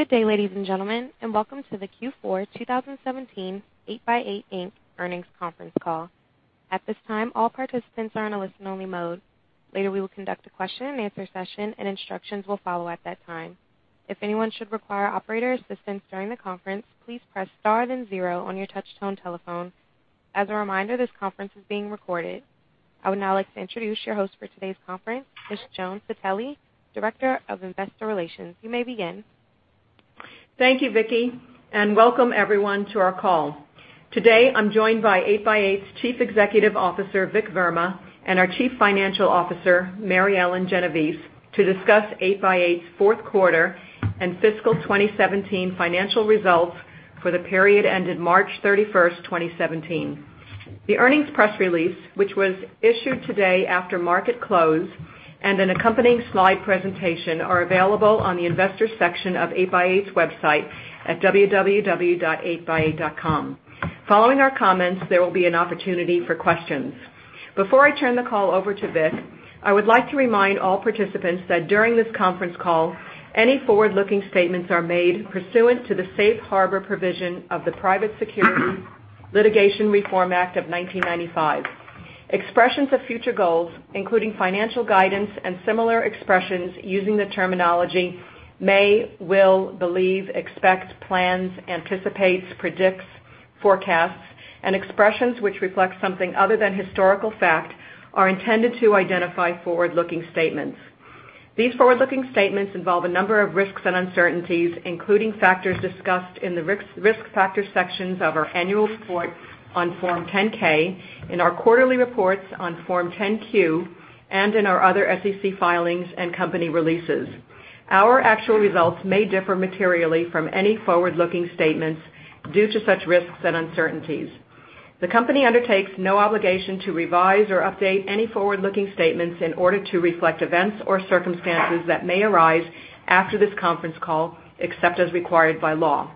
Good day, ladies and gentlemen. Welcome to the Q4 2017 8x8 Inc. Earnings Conference Call. At this time, all participants are in a listen-only mode. Later, we will conduct a question and answer session, and instructions will follow at that time. If anyone should require operator assistance during the conference, please press star then zero on your touchtone telephone. As a reminder, this conference is being recorded. I would now like to introduce your host for today's conference, Ms. Joan Citelli, Director of Investor Relations. You may begin. Thank you, Vicky, and welcome everyone to our call. Today, I'm joined by 8x8's Chief Executive Officer, Vik Verma, and our Chief Financial Officer, Mary Ellen Genovese, to discuss 8x8's fourth quarter and fiscal 2017 financial results for the period ended March 31st, 2017. The earnings press release, which was issued today after market close, and an accompanying slide presentation are available on the investors section of 8x8's website at www.8x8.com. Following our comments, there will be an opportunity for questions. Before I turn the call over to Vik, I would like to remind all participants that during this conference call, any forward-looking statements are made pursuant to the safe harbor provision of the Private Securities Litigation Reform Act of 1995. Expressions of future goals, including financial guidance and similar expressions using the terminology "may," "will," "believe," "expect," "plans," "anticipates," "predicts," "forecasts," and expressions which reflect something other than historical fact, are intended to identify forward-looking statements. These forward-looking statements involve a number of risks and uncertainties, including factors discussed in the risk factor sections of our annual report on Form 10-K, in our quarterly reports on Form 10-Q, and in our other SEC filings and company releases. Our actual results may differ materially from any forward-looking statements due to such risks and uncertainties. The company undertakes no obligation to revise or update any forward-looking statements in order to reflect events or circumstances that may arise after this conference call, except as required by law.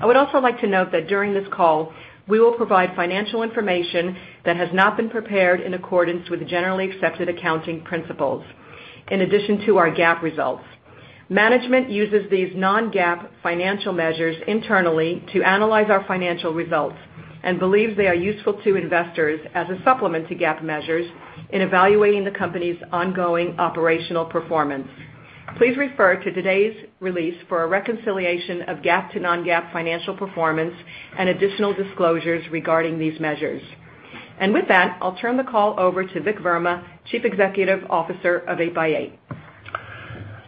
I would also like to note that during this call, we will provide financial information that has not been prepared in accordance with generally accepted accounting principles, in addition to our GAAP results. Management uses these non-GAAP financial measures internally to analyze our financial results and believes they are useful to investors as a supplement to GAAP measures in evaluating the company's ongoing operational performance. Please refer to today's release for a reconciliation of GAAP to non-GAAP financial performance and additional disclosures regarding these measures. With that, I'll turn the call over to Vik Verma, Chief Executive Officer of 8x8.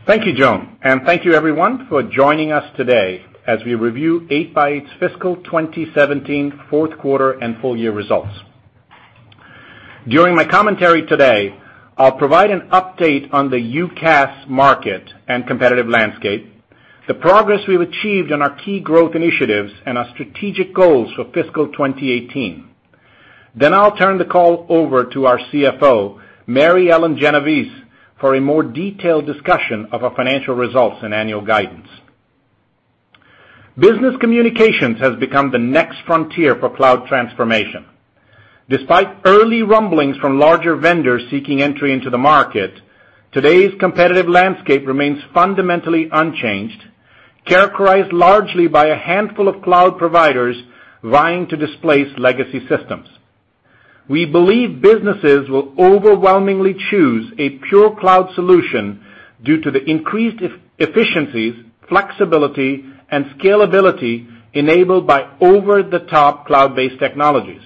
Thank you, Joan, and thank you everyone for joining us today as we review 8x8's fiscal 2017 fourth quarter and full-year results. During my commentary today, I'll provide an update on the UCaaS market and competitive landscape, the progress we've achieved on our key growth initiatives, and our strategic goals for fiscal 2018. I'll turn the call over to our CFO, Mary Ellen Genovese, for a more detailed discussion of our financial results and annual guidance. Business communications has become the next frontier for cloud transformation. Despite early rumblings from larger vendors seeking entry into the market, today's competitive landscape remains fundamentally unchanged, characterized largely by a handful of cloud providers vying to displace legacy systems. We believe businesses will overwhelmingly choose a pure cloud solution due to the increased efficiencies, flexibility, and scalability enabled by over-the-top cloud-based technologies.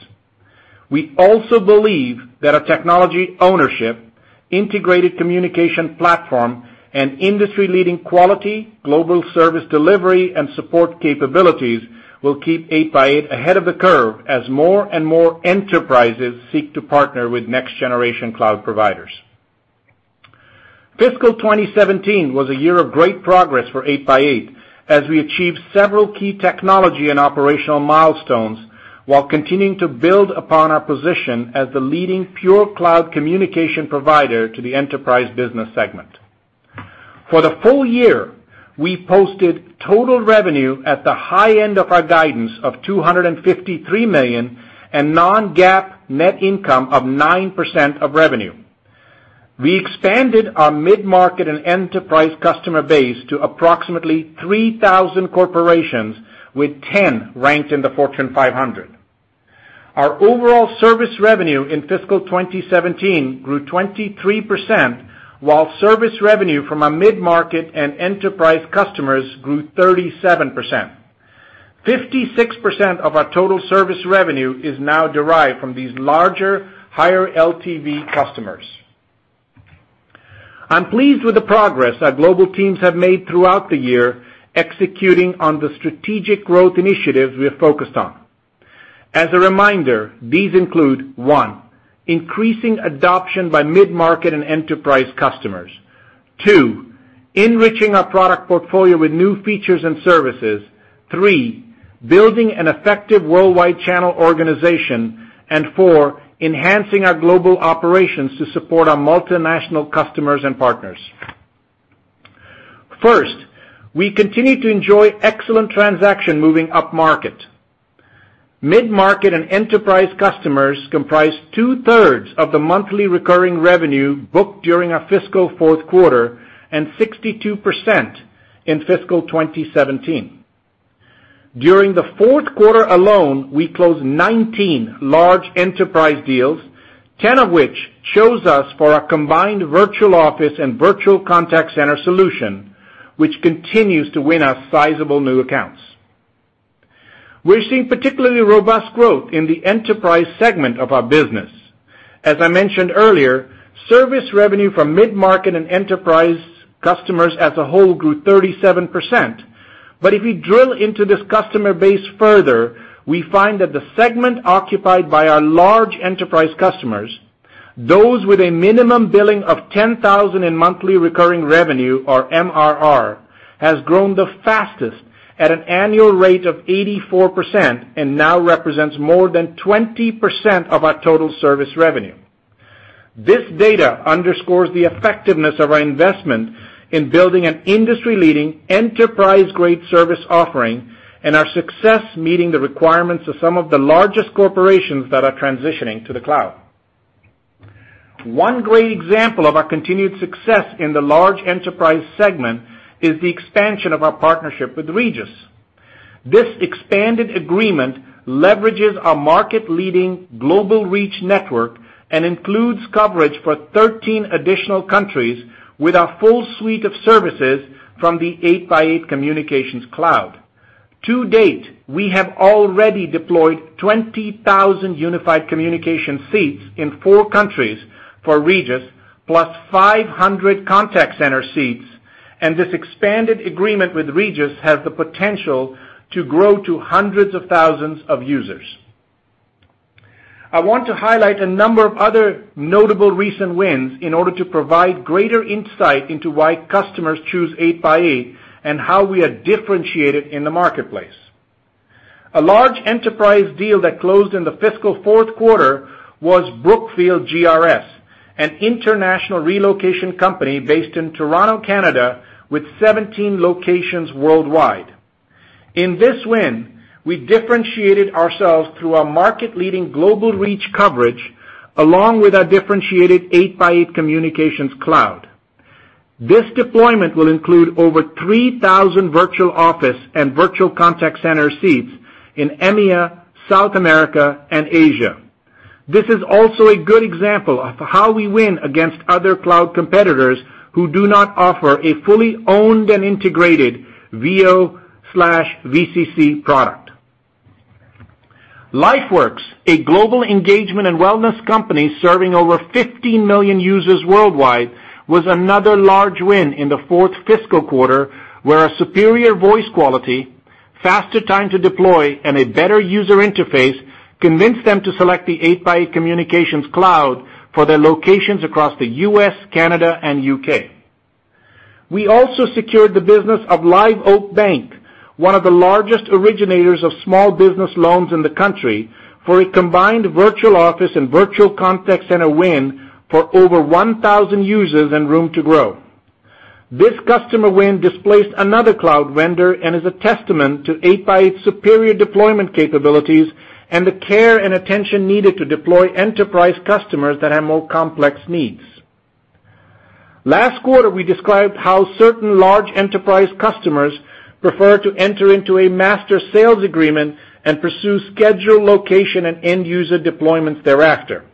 We also believe that our technology ownership, integrated communication platform, and industry-leading quality, global service delivery, and support capabilities will keep 8x8 ahead of the curve as more and more enterprises seek to partner with next-generation cloud providers. Fiscal 2017 was a year of great progress for 8x8 as we achieved several key technology and operational milestones while continuing to build upon our position as the leading pure cloud communication provider to the enterprise business segment. For the full year, we posted total revenue at the high end of our guidance of $253 million and non-GAAP net income of 9% of revenue. We expanded our mid-market and enterprise customer base to approximately 3,000 corporations, with 10 ranked in the Fortune 500. Our overall service revenue in fiscal 2017 grew 23%, while service revenue from our mid-market and enterprise customers grew 37%. 56% of our total service revenue is now derived from these larger, higher LTV customers. I'm pleased with the progress our global teams have made throughout the year, executing on the strategic growth initiatives we are focused on. As a reminder, these include, 1, increasing adoption by mid-market and enterprise customers. 2, enriching our product portfolio with new features and services. 3, building an effective worldwide channel organization. And 4, enhancing our global operations to support our multinational customers and partners. First, we continue to enjoy excellent transaction moving upmarket. Mid-market and enterprise customers comprise two-thirds of the monthly recurring revenue booked during our fiscal fourth quarter, and 62% in fiscal 2017. During the fourth quarter alone, we closed 19 large enterprise deals, 10 of which chose us for our combined Virtual Office and Virtual Contact Center solution, which continues to win us sizable new accounts. We're seeing particularly robust growth in the enterprise segment of our business. As I mentioned earlier, service revenue from mid-market and enterprise customers as a whole grew 37%. But if we drill into this customer base further, we find that the segment occupied by our large enterprise customers, those with a minimum billing of $10,000 in monthly recurring revenue or MRR, has grown the fastest at an annual rate of 84% and now represents more than 20% of our total service revenue. This data underscores the effectiveness of our investment in building an industry-leading enterprise-grade service offering and our success meeting the requirements of some of the largest corporations that are transitioning to the cloud. One great example of our continued success in the large enterprise segment is the expansion of our partnership with Regus. This expanded agreement leverages our market-leading global reach network and includes coverage for 13 additional countries with our full suite of services from the 8x8 Communications Cloud. To date, we have already deployed 20,000 unified communication seats in four countries for Regus, plus 500 contact center seats, and this expanded agreement with Regus has the potential to grow to hundreds of thousands of users. I want to highlight a number of other notable recent wins in order to provide greater insight into why customers choose 8x8 and how we are differentiated in the marketplace. A large enterprise deal that closed in the fiscal fourth quarter was Brookfield GRS, an international relocation company based in Toronto, Canada, with 17 locations worldwide. In this win, we differentiated ourselves through our market-leading global reach coverage, along with our differentiated 8x8 Communications Cloud. This deployment will include over 3,000 Virtual Office and Virtual Contact Center seats in EMEA, South America and Asia. This is also a good example of how we win against other cloud competitors who do not offer a fully owned and integrated VO/VCC product. LifeWorks, a global engagement and wellness company serving over 50 million users worldwide, was another large win in the fourth fiscal quarter where our superior voice quality, faster time to deploy, and a better user interface convinced them to select the 8x8 Communications Cloud for their locations across the U.S., Canada, and U.K. We also secured the business of Live Oak Bank, one of the largest originators of small business loans in the country, for a combined Virtual Office and Virtual Contact Center win for over 1,000 users and room to grow. This customer win displaced another cloud vendor and is a testament to 8x8's superior deployment capabilities and the care and attention needed to deploy enterprise customers that have more complex needs. Last quarter, we described how certain large enterprise customers prefer to enter into a master sales agreement and pursue schedule, location, and end-user deployments thereafter.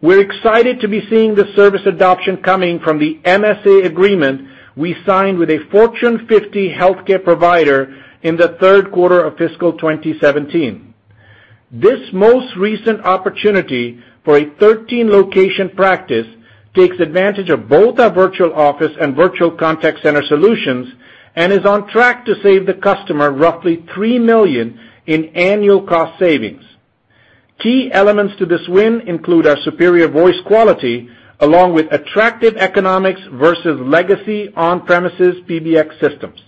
We're excited to be seeing the service adoption coming from the MSA agreement we signed with a Fortune 50 healthcare provider in the third quarter of fiscal 2017. This most recent opportunity for a 13-location practice takes advantage of both our Virtual Office and Virtual Contact Center solutions and is on track to save the customer roughly $3 million in annual cost savings. Key elements to this win include our superior voice quality along with attractive economics versus legacy on-premises PBX systems.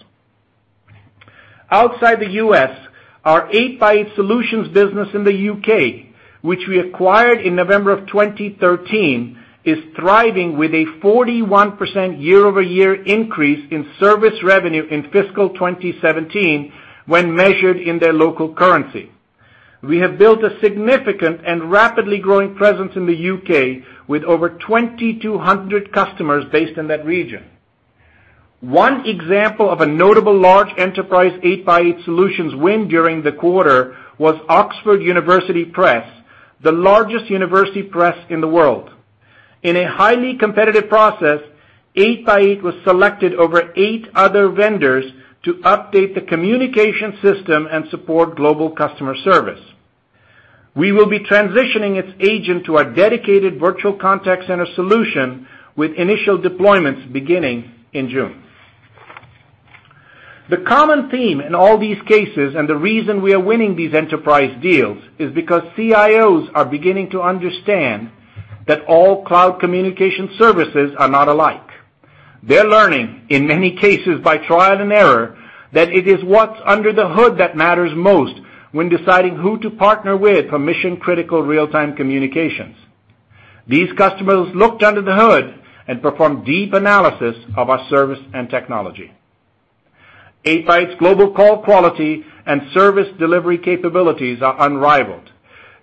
Outside the U.S., our 8x8 solutions business in the U.K., which we acquired in November of 2013, is thriving with a 41% year-over-year increase in service revenue in fiscal 2017 when measured in their local currency. We have built a significant and rapidly growing presence in the U.K. with over 2,200 customers based in that region. One example of a notable large enterprise 8x8 solutions win during the quarter was Oxford University Press, the largest university press in the world. In a highly competitive process, 8x8 was selected over eight other vendors to update the communication system and support global customer service. We will be transitioning its agent to our dedicated Virtual Contact Center solution with initial deployments beginning in June. The common theme in all these cases, the reason we are winning these enterprise deals, is because CIOs are beginning to understand that all cloud communication services are not alike. They're learning, in many cases by trial and error, that it is what's under the hood that matters most when deciding who to partner with for mission-critical real-time communications. These customers looked under the hood and performed deep analysis of our service and technology. 8x8's global call quality and service delivery capabilities are unrivaled.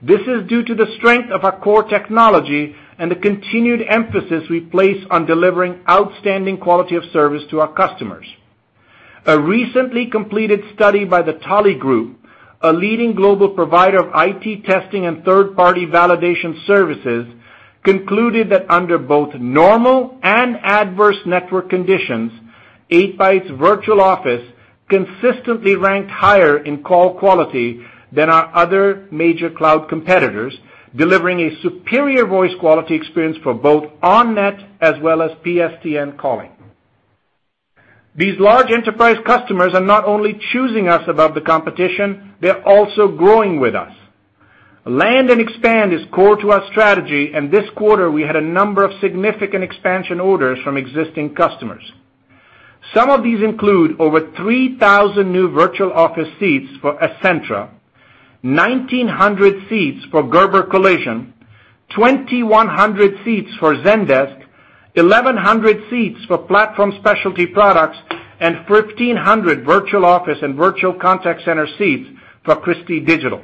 This is due to the strength of our core technology and the continued emphasis we place on delivering outstanding quality of service to our customers. A recently completed study by The Tolly Group, a leading global provider of IT testing and third-party validation services, concluded that under both normal and adverse network conditions, 8x8's Virtual Office consistently ranked higher in call quality than our other major cloud competitors, delivering a superior voice quality experience for both on-net as well as PSTN calling. These large enterprise customers are not only choosing us above the competition, they're also growing with us. Land and expand is core to our strategy. This quarter, we had a number of significant expansion orders from existing customers. Some of these include over 3,000 new Virtual Office seats for Essentra, 1,900 seats for Gerber Collision, 2,100 seats for Zendesk, 1,100 seats for Platform Specialty Products, and 1,500 Virtual Office and Virtual Contact Center seats for Christie Digital.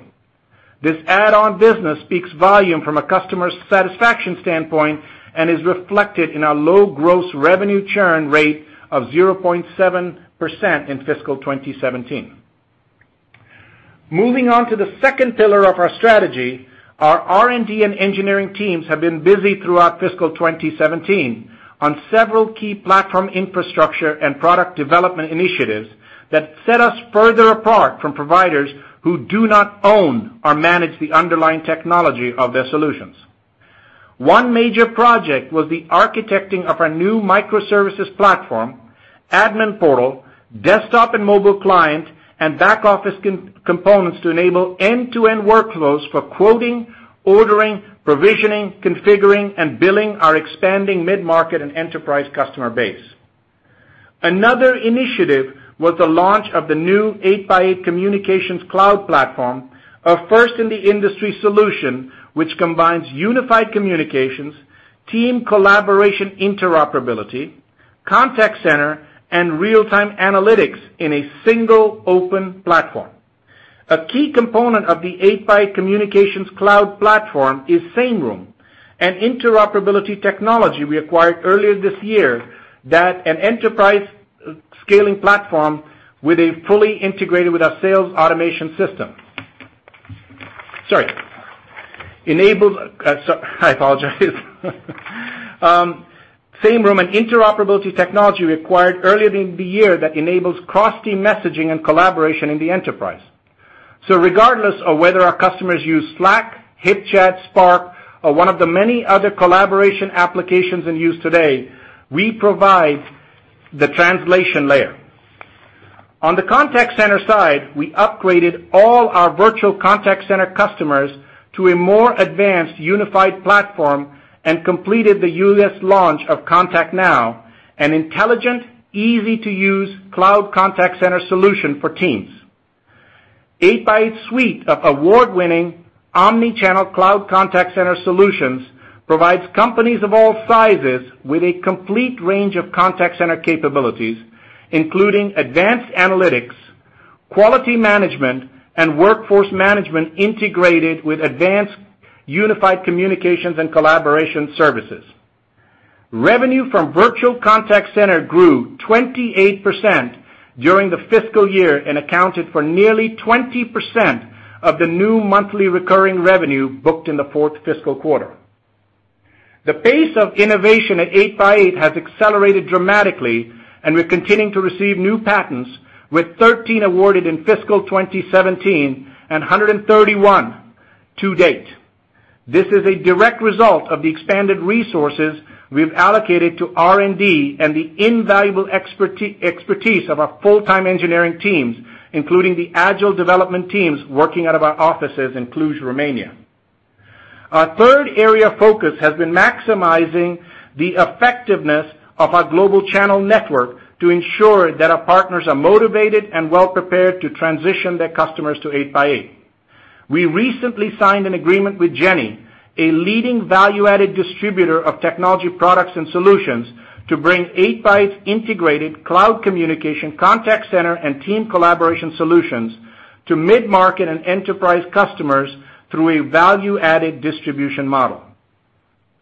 This add-on business speaks volume from a customer satisfaction standpoint and is reflected in our low gross revenue churn rate of 0.7% in fiscal 2017. Moving on to the second pillar of our strategy, our R&D and engineering teams have been busy throughout fiscal 2017 on several key platform infrastructure and product development initiatives that set us further apart from providers who do not own or manage the underlying technology of their solutions. One major project was the architecting of our new microservices platform, admin portal, desktop and mobile client, and back-office components to enable end-to-end workflows for quoting, ordering, provisioning, configuring, and billing our expanding mid-market and enterprise customer base. Another initiative was the launch of the new 8x8 Communications Cloud platform, a first-in-the-industry solution which combines unified communications, team collaboration interoperability, contact center, and real-time analytics in a single open platform. A key component of the 8x8 Communications Cloud platform is Sameroom, an interoperability technology we acquired earlier in the year that enables cross-team messaging and collaboration in the enterprise. Regardless of whether our customers use Slack, HipChat, Spark, or one of the many other collaboration applications in use today, we provide the translation layer. On the contact center side, we upgraded all our Virtual Contact Center customers to a more advanced unified platform and completed the U.S. launch of ContactNow, an intelligent, easy-to-use cloud contact center solution for Teams. 8x8's suite of award-winning omni-channel cloud contact center solutions provides companies of all sizes with a complete range of contact center capabilities, including advanced analytics, quality management, and workforce management integrated with advanced unified communications and collaboration services. Revenue from Virtual Contact Center grew 28% during the fiscal year and accounted for nearly 20% of the new monthly recurring revenue booked in the fourth fiscal quarter. The pace of innovation at 8x8 has accelerated dramatically. We're continuing to receive new patents, with 13 awarded in FY 2017 and 131 to date. This is a direct result of the expanded resources we've allocated to R&D and the invaluable expertise of our full-time engineering teams, including the agile development teams working out of our offices in Cluj, Romania. Our third area of focus has been maximizing the effectiveness of our global channel network to ensure that our partners are motivated and well-prepared to transition their customers to 8x8. We recently signed an agreement with Jenne, a leading value-added distributor of technology products and solutions, to bring 8x8's integrated cloud communication, contact center, and team collaboration solutions to mid-market and enterprise customers through a value-added distribution model.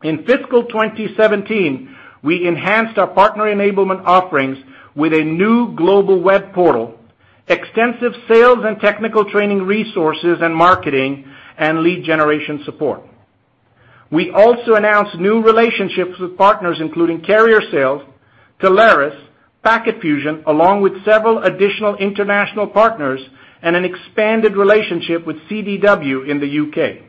In FY 2017, we enhanced our partner enablement offerings with a new global web portal, extensive sales and technical training resources and marketing, and lead generation support. We also announced new relationships with partners, including Carrier Sales, Telarus, Packet Fusion, along with several additional international partners, and an expanded relationship with CDW in the U.K.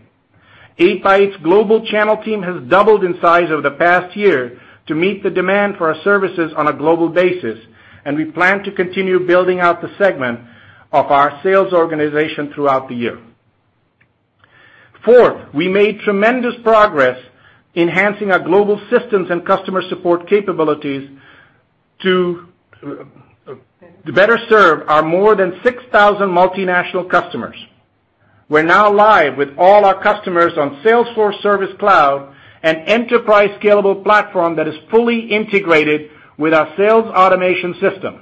8x8's global channel team has doubled in size over the past year to meet the demand for our services on a global basis. We plan to continue building out the segment of our sales organization throughout the year. Fourth, we made tremendous progress enhancing our global systems and customer support capabilities to better serve our more than 6,000 multinational customers. We're now live with all our customers on Salesforce Service Cloud, an enterprise scalable platform that is fully integrated with our sales automation system.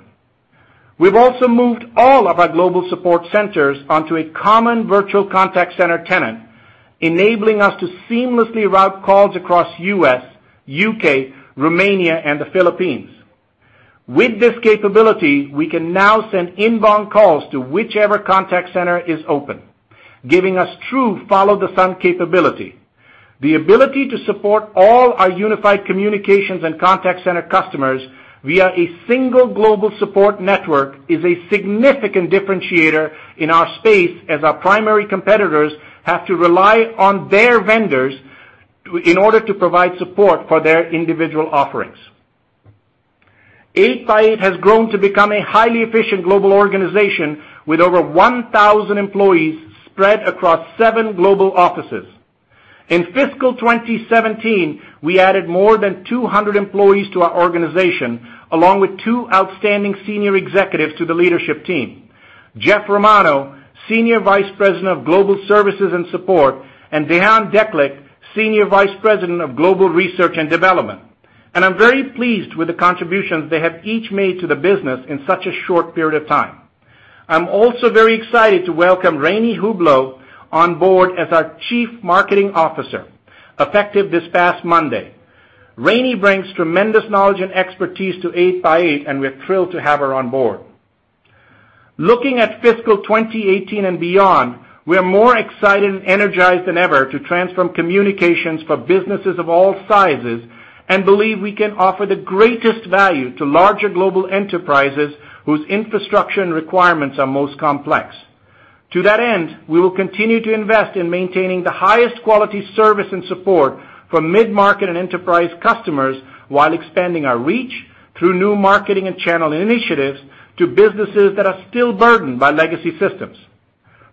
We've also moved all of our global support centers onto a common Virtual Contact Center tenant, enabling us to seamlessly route calls across U.S., U.K., Romania, and the Philippines. With this capability, we can now send inbound calls to whichever contact center is open, giving us true follow-the-sun capability. The ability to support all our unified communications and contact center customers via a single global support network is a significant differentiator in our space, as our primary competitors have to rely on their vendors in order to provide support for their individual offerings. 8x8 has grown to become a highly efficient global organization with over 1,000 employees spread across seven global offices. In FY 2017, we added more than 200 employees to our organization, along with two outstanding Senior Executives to the leadership team, Jeff Romano, Senior Vice President of Global Services and Support, and Dejan Deklich, Senior Vice President of Global Research and Development. I'm very pleased with the contributions they have each made to the business in such a short period of time. I'm also very excited to welcome Rani Hublou on board as our Chief Marketing Officer, effective this past Monday. Rani brings tremendous knowledge and expertise to 8x8, We're thrilled to have her on board. Looking at fiscal 2018 and beyond, we are more excited and energized than ever to transform communications for businesses of all sizes, We believe we can offer the greatest value to larger global enterprises whose infrastructure and requirements are most complex. To that end, we will continue to invest in maintaining the highest quality service and support for mid-market and enterprise customers while expanding our reach through new marketing and channel initiatives to businesses that are still burdened by legacy systems.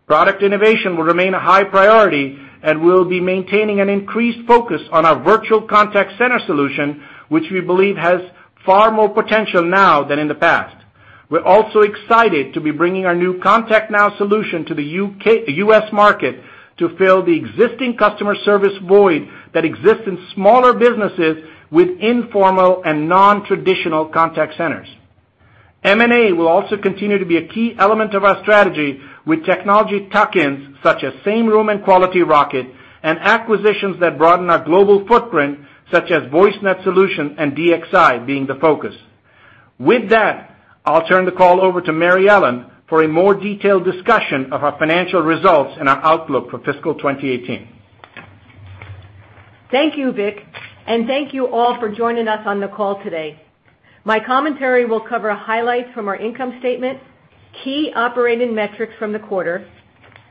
Product innovation will remain a high priority, We'll be maintaining an increased focus on our Virtual Contact Center solution, which we believe has far more potential now than in the past. We're also excited to be bringing our new ContactNow solution to the U.S. market to fill the existing customer service void that exists in smaller businesses with informal and non-traditional contact centers. M&A will also continue to be a key element of our strategy with technology tuck-ins such as Sameroom and Quality Software Corporation, Acquisitions that broaden our global footprint, such as Voicenet Solutions and DXI being the focus. With that, I'll turn the call over to Mary Ellen for a more detailed discussion of our financial results and our outlook for fiscal 2018. Thank you, Vik, Thank you all for joining us on the call today. My commentary will cover highlights from our income statement, key operating metrics from the quarter,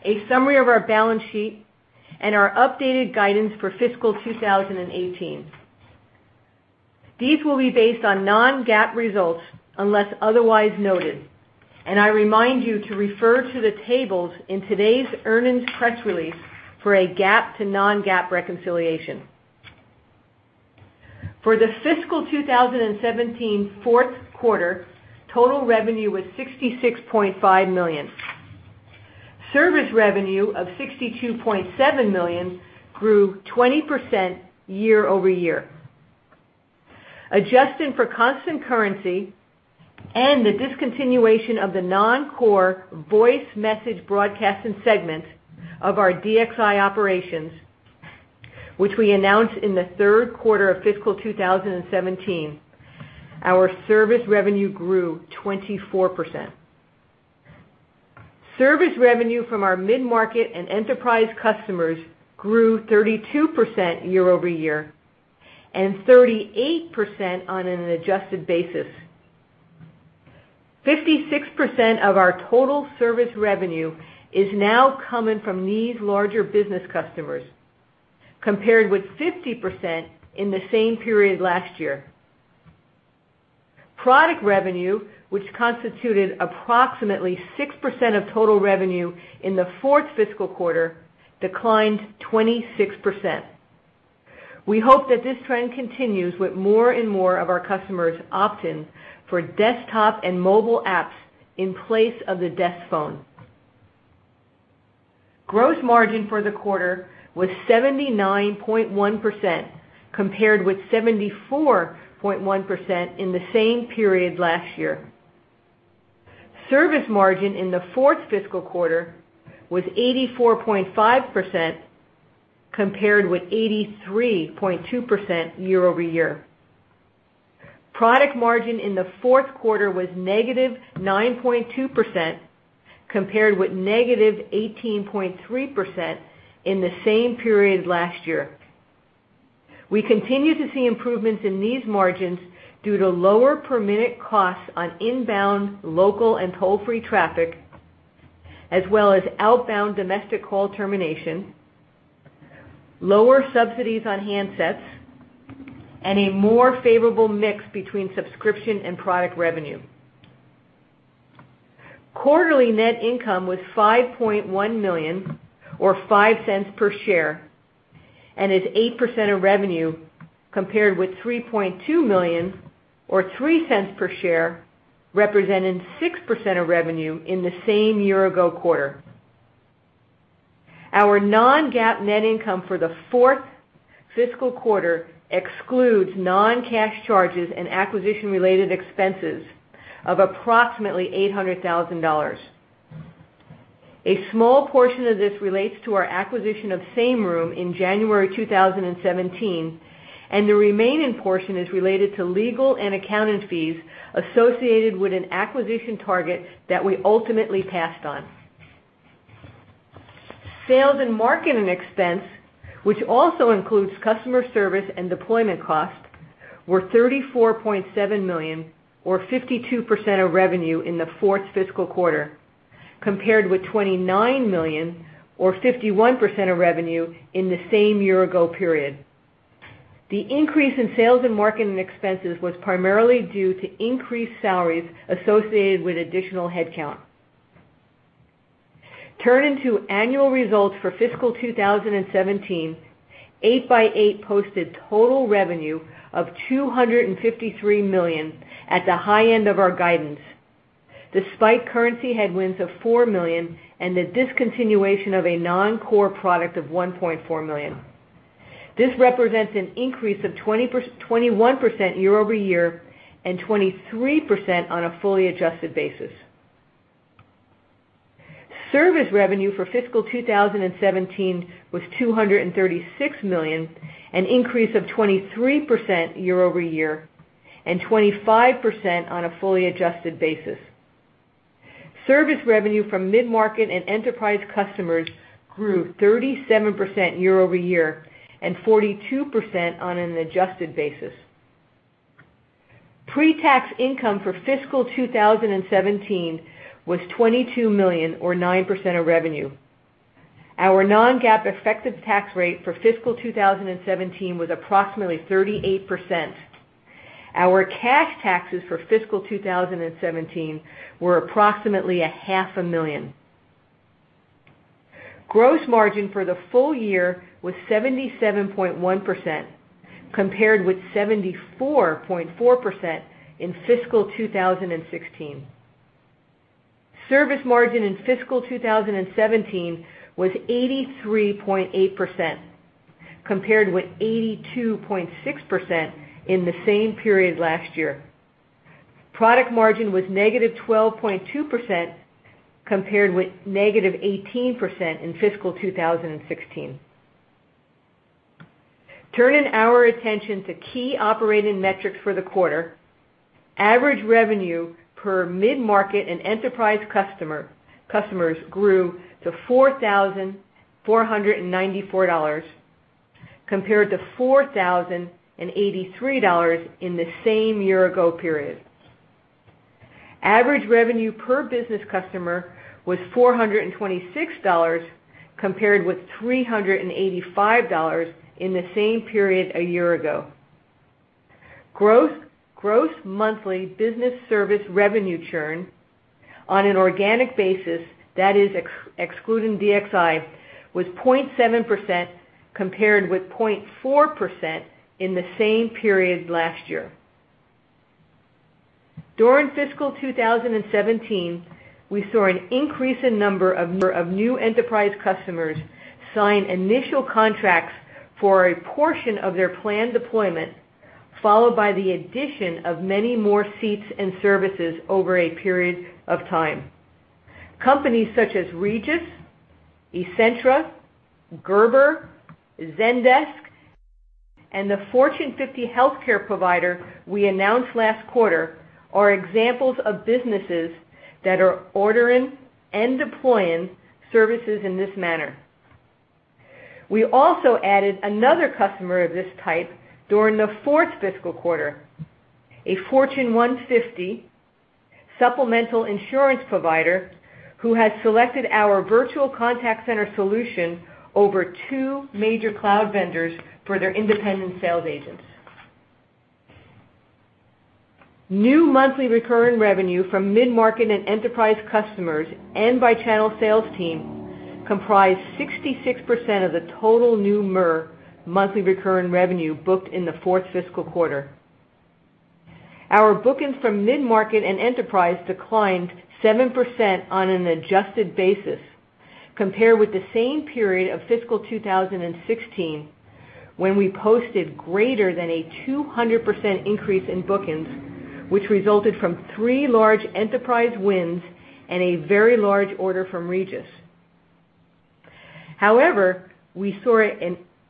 a summary of our balance sheet, Our updated guidance for fiscal 2018. These will be based on non-GAAP results unless otherwise noted, I remind you to refer to the tables in today's earnings press release for a GAAP to non-GAAP reconciliation. For the fiscal 2017 fourth quarter, total revenue was $66.5 million. Service revenue of $62.7 million grew 20% year-over-year. Adjusting for constant currency and the discontinuation of the non-core voice message broadcasting segment of our DXI operations, which we announced in the third quarter of fiscal 2017, our service revenue grew 24%. Service revenue from our mid-market and enterprise customers grew 32% year-over-year and 38% on an adjusted basis. 56% of our total service revenue is now coming from these larger business customers, compared with 50% in the same period last year. Product revenue, which constituted approximately 6% of total revenue in the fourth fiscal quarter, declined 26%. We hope that this trend continues with more and more of our customers opting for desktop and mobile apps in place of the desk phone. Gross margin for the quarter was 79.1%, compared with 74.1% in the same period last year. Service margin in the fourth fiscal quarter was 84.5%, compared with 83.2% year-over-year. Product margin in the fourth quarter was negative 9.2%, compared with negative 18.3% in the same period last year. We continue to see improvements in these margins due to lower per-minute costs on inbound, local, and toll-free traffic, as well as outbound domestic call termination, lower subsidies on handsets, and a more favorable mix between subscription and product revenue. Quarterly net income was $5.1 million or $0.05 per share and is 8% of revenue, compared with $3.2 million or $0.03 per share, representing 6% of revenue in the same year-ago quarter. Our non-GAAP net income for the fourth fiscal quarter excludes non-cash charges and acquisition-related expenses of approximately $800,000. A small portion of this relates to our acquisition of Sameroom in January 2017, and the remaining portion is related to legal and accounting fees associated with an acquisition target that we ultimately passed on. Sales and marketing expense, which also includes customer service and deployment costs, were $34.7 million, or 52% of revenue in the fourth fiscal quarter, compared with $29 million or 51% of revenue in the same year-ago period. The increase in sales and marketing expenses was primarily due to increased salaries associated with additional headcount. Turning to annual results for fiscal 2017, 8x8 posted total revenue of $253 million at the high end of our guidance, despite currency headwinds of $4 million and the discontinuation of a non-core product of $1.4 million. This represents an increase of 21% year-over-year and 23% on a fully adjusted basis. Service revenue for fiscal 2017 was $236 million, an increase of 23% year-over-year and 25% on a fully adjusted basis. Service revenue from mid-market and enterprise customers grew 37% year-over-year and 42% on an adjusted basis. Pre-tax income for fiscal 2017 was $22 million or 9% of revenue. Our non-GAAP effective tax rate for fiscal 2017 was approximately 38%. Our cash taxes for fiscal 2017 were approximately a half a million. Gross margin for the full year was 77.1%, compared with 74.4% in fiscal 2016. Service margin in fiscal 2017 was 83.8%, compared with 82.6% in the same period last year. Product margin was negative 12.2%, compared with negative 18% in fiscal 2016. Turning our attention to key operating metrics for the quarter. Average revenue per mid-market and enterprise customers grew to $4,494, compared to $4,083 in the same year-ago period. Average revenue per business customer was $426, compared with $385 in the same period a year ago. Gross monthly business service revenue churn on an organic basis, that is excluding DXI, was 0.7%, compared with 0.4% in the same period last year. During fiscal 2017, we saw an increase in number of new enterprise customers sign initial contracts for a portion of their planned deployment, followed by the addition of many more seats and services over a period of time. Companies such as Regus, Essentra, Gerber, Zendesk, and the Fortune 50 healthcare provider we announced last quarter are examples of businesses that are ordering and deploying services in this manner. We also added another customer of this type during the fourth fiscal quarter, a Fortune 150 supplemental insurance provider who has selected our Virtual Contact Center solution over two major cloud vendors for their independent sales agents. New monthly recurring revenue from mid-market and enterprise customers and by channel sales team comprised 66% of the total new MRR, monthly recurring revenue, booked in the fourth fiscal quarter. Our bookings from mid-market and enterprise declined 7% on an adjusted basis compared with the same period of fiscal 2016, when we posted greater than a 200% increase in bookings, which resulted from three large enterprise wins and a very large order from Regus.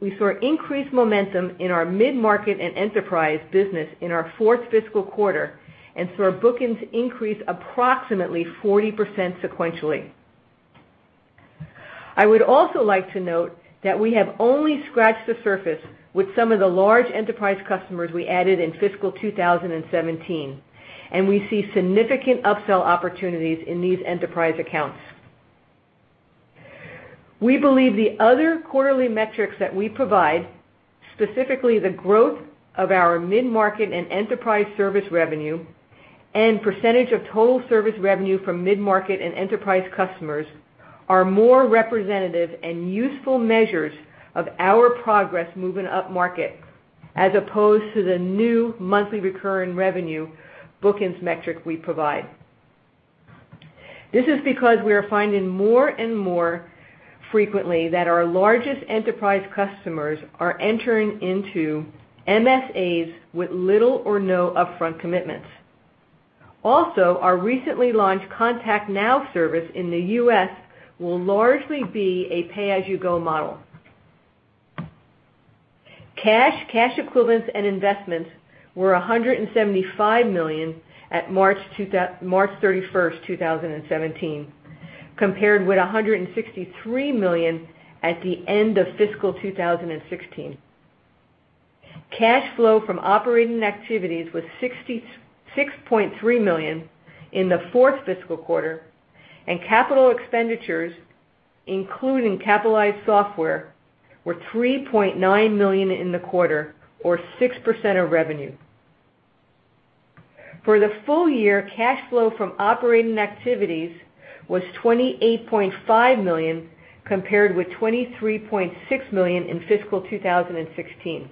We saw increased momentum in our mid-market and enterprise business in our fourth fiscal quarter and saw bookings increase approximately 40% sequentially. I would also like to note that we have only scratched the surface with some of the large enterprise customers we added in fiscal 2017, and we see significant upsell opportunities in these enterprise accounts. We believe the other quarterly metrics that we provide, specifically the growth of our mid-market and enterprise service revenue, and percentage of total service revenue from mid-market and enterprise customers, are more representative and useful measures of our progress moving upmarket, as opposed to the new monthly recurring revenue bookings metric we provide. This is because we are finding more and more frequently that our largest enterprise customers are entering into MSAs with little or no upfront commitments. Also, our recently launched ContactNow service in the U.S. will largely be a pay-as-you-go model. Cash, cash equivalents, and investments were $175 million at March 31st, 2017, compared with $163 million at the end of fiscal 2016. Cash flow from operating activities was $6.3 million in the fourth fiscal quarter, and capital expenditures, including capitalized software, were $3.9 million in the quarter, or 6% of revenue. For the full year, cash flow from operating activities was $28.5 million, compared with $23.6 million in fiscal 2016.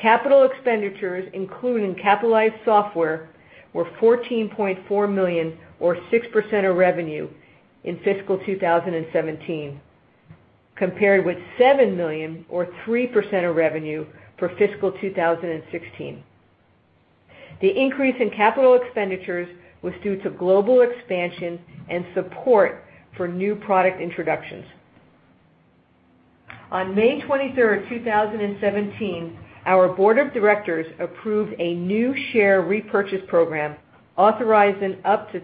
Capital expenditures, including capitalized software, were $14.4 million, or 6% of revenue in fiscal 2017, compared with $7 million, or 3% of revenue for fiscal 2016. The increase in capital expenditures was due to global expansion and support for new product introductions. On May 23rd, 2017, our board of directors approved a new share repurchase program authorizing up to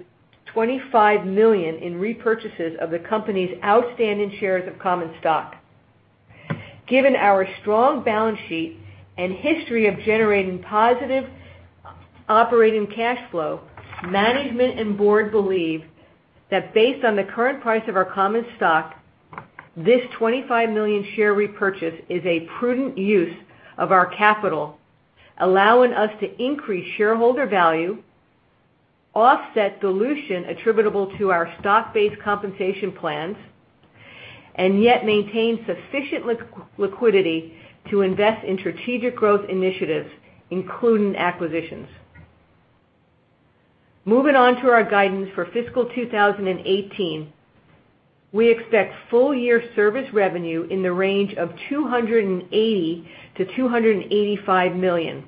$25 million in repurchases of the company's outstanding shares of common stock. Given our strong balance sheet and history of generating positive operating cash flow, management and board believe that based on the current price of our common stock, this $25 million share repurchase is a prudent use of our capital, allowing us to increase shareholder value, offset dilution attributable to our stock-based compensation plans, and yet maintain sufficient liquidity to invest in strategic growth initiatives, including acquisitions. Moving on to our guidance for fiscal 2018. We expect full-year service revenue in the range of $280 million-$285 million,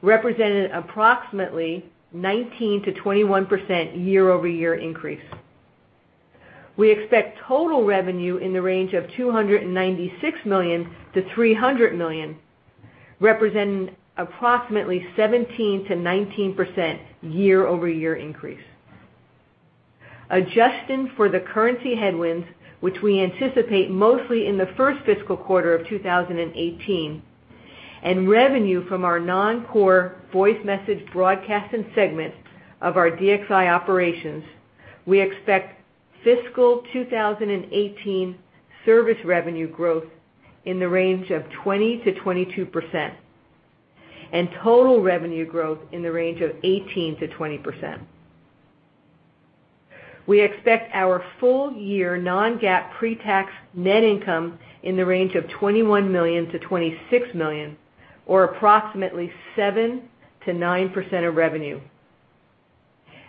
representing approximately 19%-21% year-over-year increase. We expect total revenue in the range of $296 million-$300 million, representing approximately 17%-19% year-over-year increase. Adjusting for the currency headwinds, which we anticipate mostly in the first fiscal quarter of 2018, and revenue from our non-core voice message broadcasting segment of our DXI operations, we expect fiscal 2018 service revenue growth in the range of 20%-22%, and total revenue growth in the range of 18%-20%. We expect our full-year non-GAAP pre-tax net income in the range of $21 million-$26 million, or approximately 7%-9% of revenue.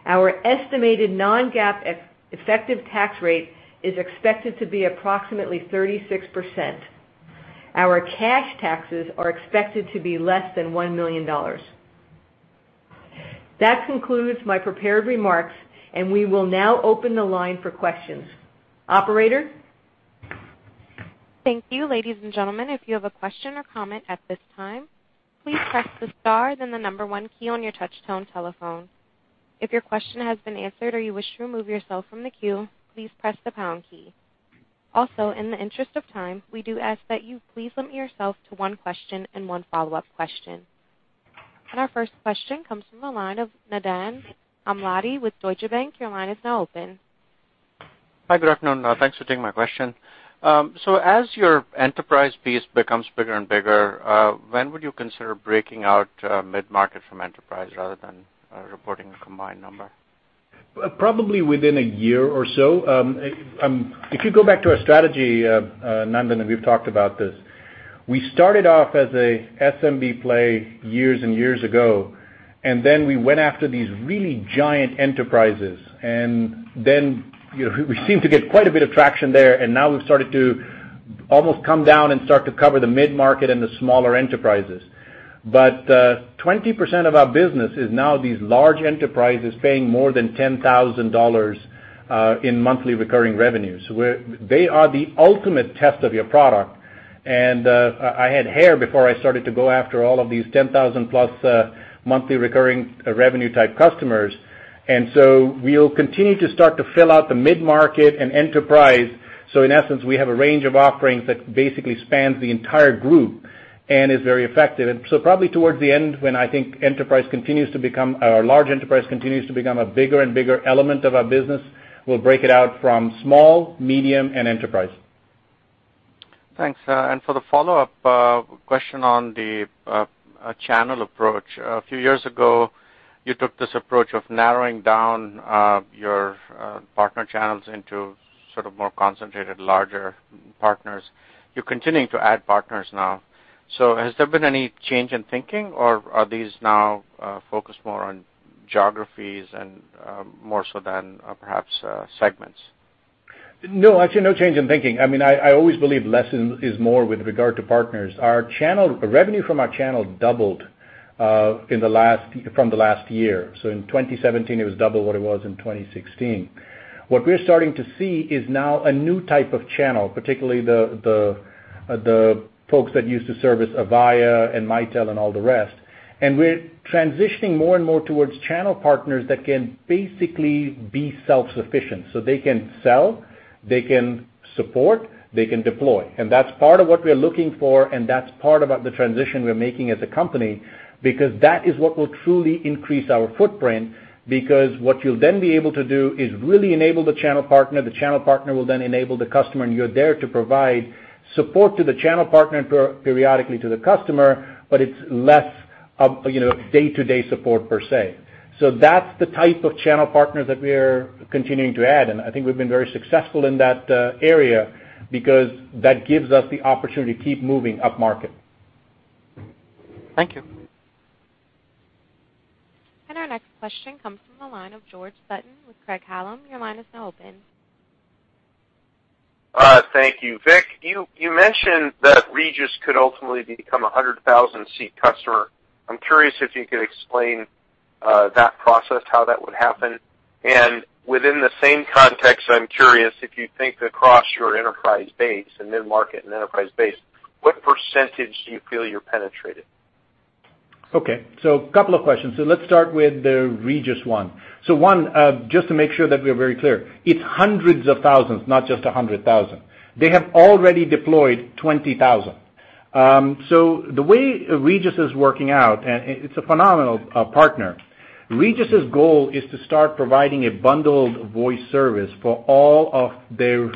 Our estimated non-GAAP effective tax rate is expected to be approximately 36%. Our cash taxes are expected to be less than $1 million. That concludes my prepared remarks, and we will now open the line for questions. Operator? Thank you, ladies and gentlemen. If you have a question or comment at this time, please press the star, then the number 1 key on your touch-tone telephone. If your question has been answered or you wish to remove yourself from the queue, please press the pound key. Also, in the interest of time, we do ask that you please limit yourself to one question and one follow-up question. Our first question comes from the line of Nandan Amlani with Deutsche Bank. Your line is now open. Hi, good afternoon. Thanks for taking my question. As your enterprise piece becomes bigger and bigger, when would you consider breaking out mid-market from enterprise rather than reporting a combined number? Probably within a year or so. If you go back to our strategy, Nandan, and we've talked about this, we started off as a SMB play years and years ago, and then we went after these really giant enterprises. Then we seemed to get quite a bit of traction there, and now we've started to almost come down and start to cover the mid-market and the smaller enterprises. But 20% of our business is now these large enterprises paying more than $10,000 in monthly recurring revenues. They are the ultimate test of your product. I had hair before I started to go after all of these 10,000-plus monthly recurring revenue-type customers. We'll continue to start to fill out the mid-market and enterprise. In essence, we have a range of offerings that basically spans the entire group. Is very effective. Probably towards the end when I think large enterprise continues to become a bigger and bigger element of our business, we'll break it out from small, medium, and enterprise. Thanks. For the follow-up question on the channel approach. A few years ago, you took this approach of narrowing down your partner channels into sort of more concentrated, larger partners. You're continuing to add partners now. Has there been any change in thinking, or are these now focused more on geographies and more so than perhaps segments? No. Actually, no change in thinking. I always believe less is more with regard to partners. Revenue from our channel doubled from the last year. In 2017, it was double what it was in 2016. What we're starting to see is now a new type of channel, particularly the folks that used to service Avaya and Mitel and all the rest. We're transitioning more and more towards channel partners that can basically be self-sufficient. They can sell, they can support, they can deploy. That's part of what we're looking for, and that's part about the transition we're making as a company, because that is what will truly increase our footprint. What you'll then be able to do is really enable the channel partner. The channel partner will then enable the customer, and you're there to provide support to the channel partner and periodically to the customer, but it's less of day-to-day support per se. That's the type of channel partner that we're continuing to add, and I think we've been very successful in that area because that gives us the opportunity to keep moving upmarket. Thank you. Our next question comes from the line of George Sutton with Craig-Hallum. Your line is now open. Thank you. Vik, you mentioned that Regus could ultimately become a 100,000-seat customer. I'm curious if you could explain that process, how that would happen. Within the same context, I'm curious if you think across your enterprise base and mid-market and enterprise base, what % do you feel you're penetrated? A couple of questions. Let's start with the Regus one. One, just to make sure that we are very clear, it's hundreds of thousands, not just 100,000. They have already deployed 20,000. The way Regus is working out, and it's a phenomenal partner. Regus' goal is to start providing a bundled voice service for all of their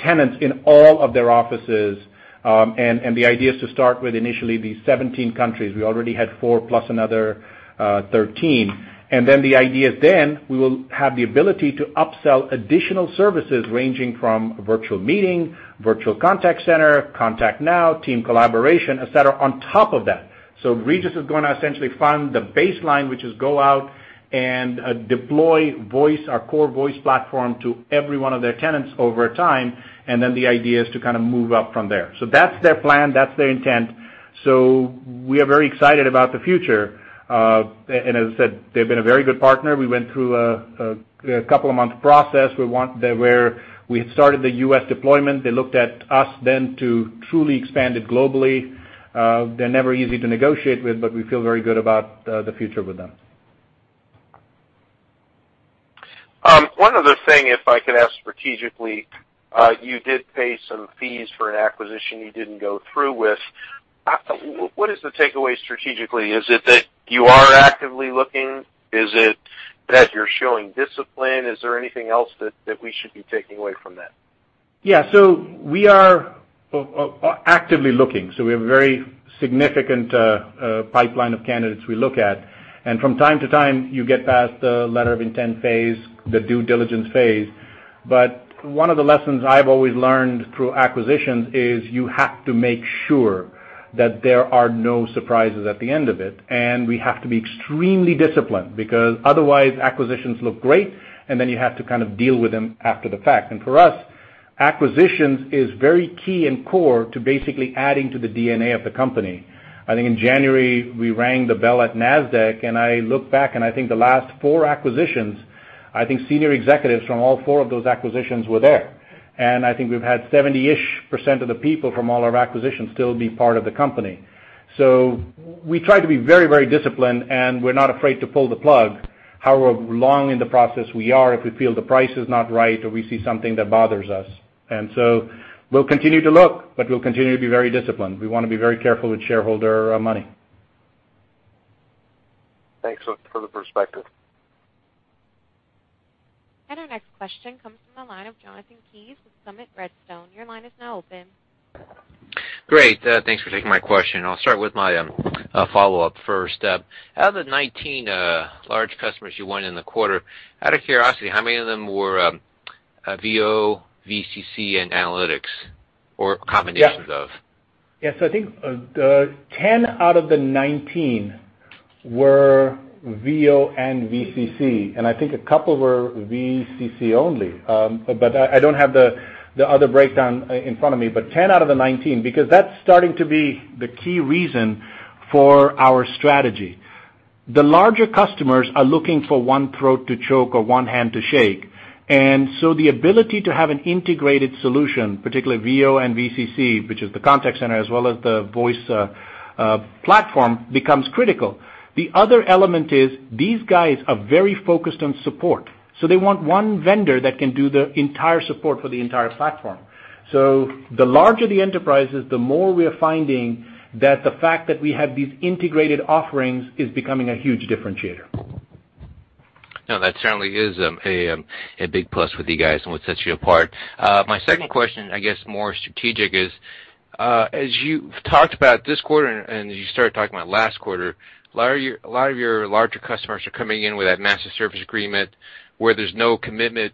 tenants in all of their offices, and the idea is to start with initially these 17 countries. We already had four plus another 13. Then the idea then, we will have the ability to upsell additional services ranging from Virtual Meeting, Virtual Contact Center, ContactNow, team collaboration, et cetera, on top of that. Regus is going to essentially fund the baseline, which is go out and deploy our core voice platform to every one of their tenants over time, and then the idea is to move up from there. That's their plan, that's their intent. We are very excited about the future. As I said, they've been a very good partner. We went through a couple of months process where we had started the U.S. deployment. They looked at us then to truly expand it globally. They're never easy to negotiate with, but we feel very good about the future with them. One other thing, if I could ask strategically. You did pay some fees for an acquisition you didn't go through with. What is the takeaway strategically? Is it that you are actively looking? Is it that you're showing discipline? Is there anything else that we should be taking away from that? Yeah. We are actively looking. We have a very significant pipeline of candidates we look at. From time to time, you get past the letter of intent phase, the due diligence phase. One of the lessons I've always learned through acquisitions is you have to make sure that there are no surprises at the end of it, and we have to be extremely disciplined because otherwise acquisitions look great, and then you have to deal with them after the fact. For us, acquisitions is very key and core to basically adding to the DNA of the company. I think in January, we rang the bell at Nasdaq, and I look back, and I think the last four acquisitions, I think senior executives from all four of those acquisitions were there. I think we've had 70-ish% of the people from all our acquisitions still be part of the company. We try to be very disciplined, and we're not afraid to pull the plug however long in the process we are if we feel the price is not right or we see something that bothers us. We'll continue to look, but we'll continue to be very disciplined. We want to be very careful with shareholder money. Thanks for the perspective. Our next question comes from the line of Jonathan Keyes with Summit Redstone. Your line is now open. Great. Thanks for taking my question. I'll start with my follow-up first. Out of the 19 large customers you won in the quarter, out of curiosity, how many of them were VO, VCC, and analytics or combinations of? Yes. I think 10 out of the 19 were VO and VCC, and I think a couple were VCC only. I don't have the other breakdown in front of me, but 10 out of the 19, because that's starting to be the key reason for our strategy. The larger customers are looking for one throat to choke or one hand to shake, the ability to have an integrated solution, particularly VO and VCC, which is the contact center as well as the voice platform, becomes critical. The other element is these guys are very focused on support, they want one vendor that can do the entire support for the entire platform. The larger the enterprises, the more we are finding that the fact that we have these integrated offerings is becoming a huge differentiator. That certainly is a big plus with you guys and what sets you apart. My second question, I guess more strategic, is as you've talked about this quarter and as you started talking about last quarter, a lot of your larger customers are coming in with that master service agreement where there's no upfront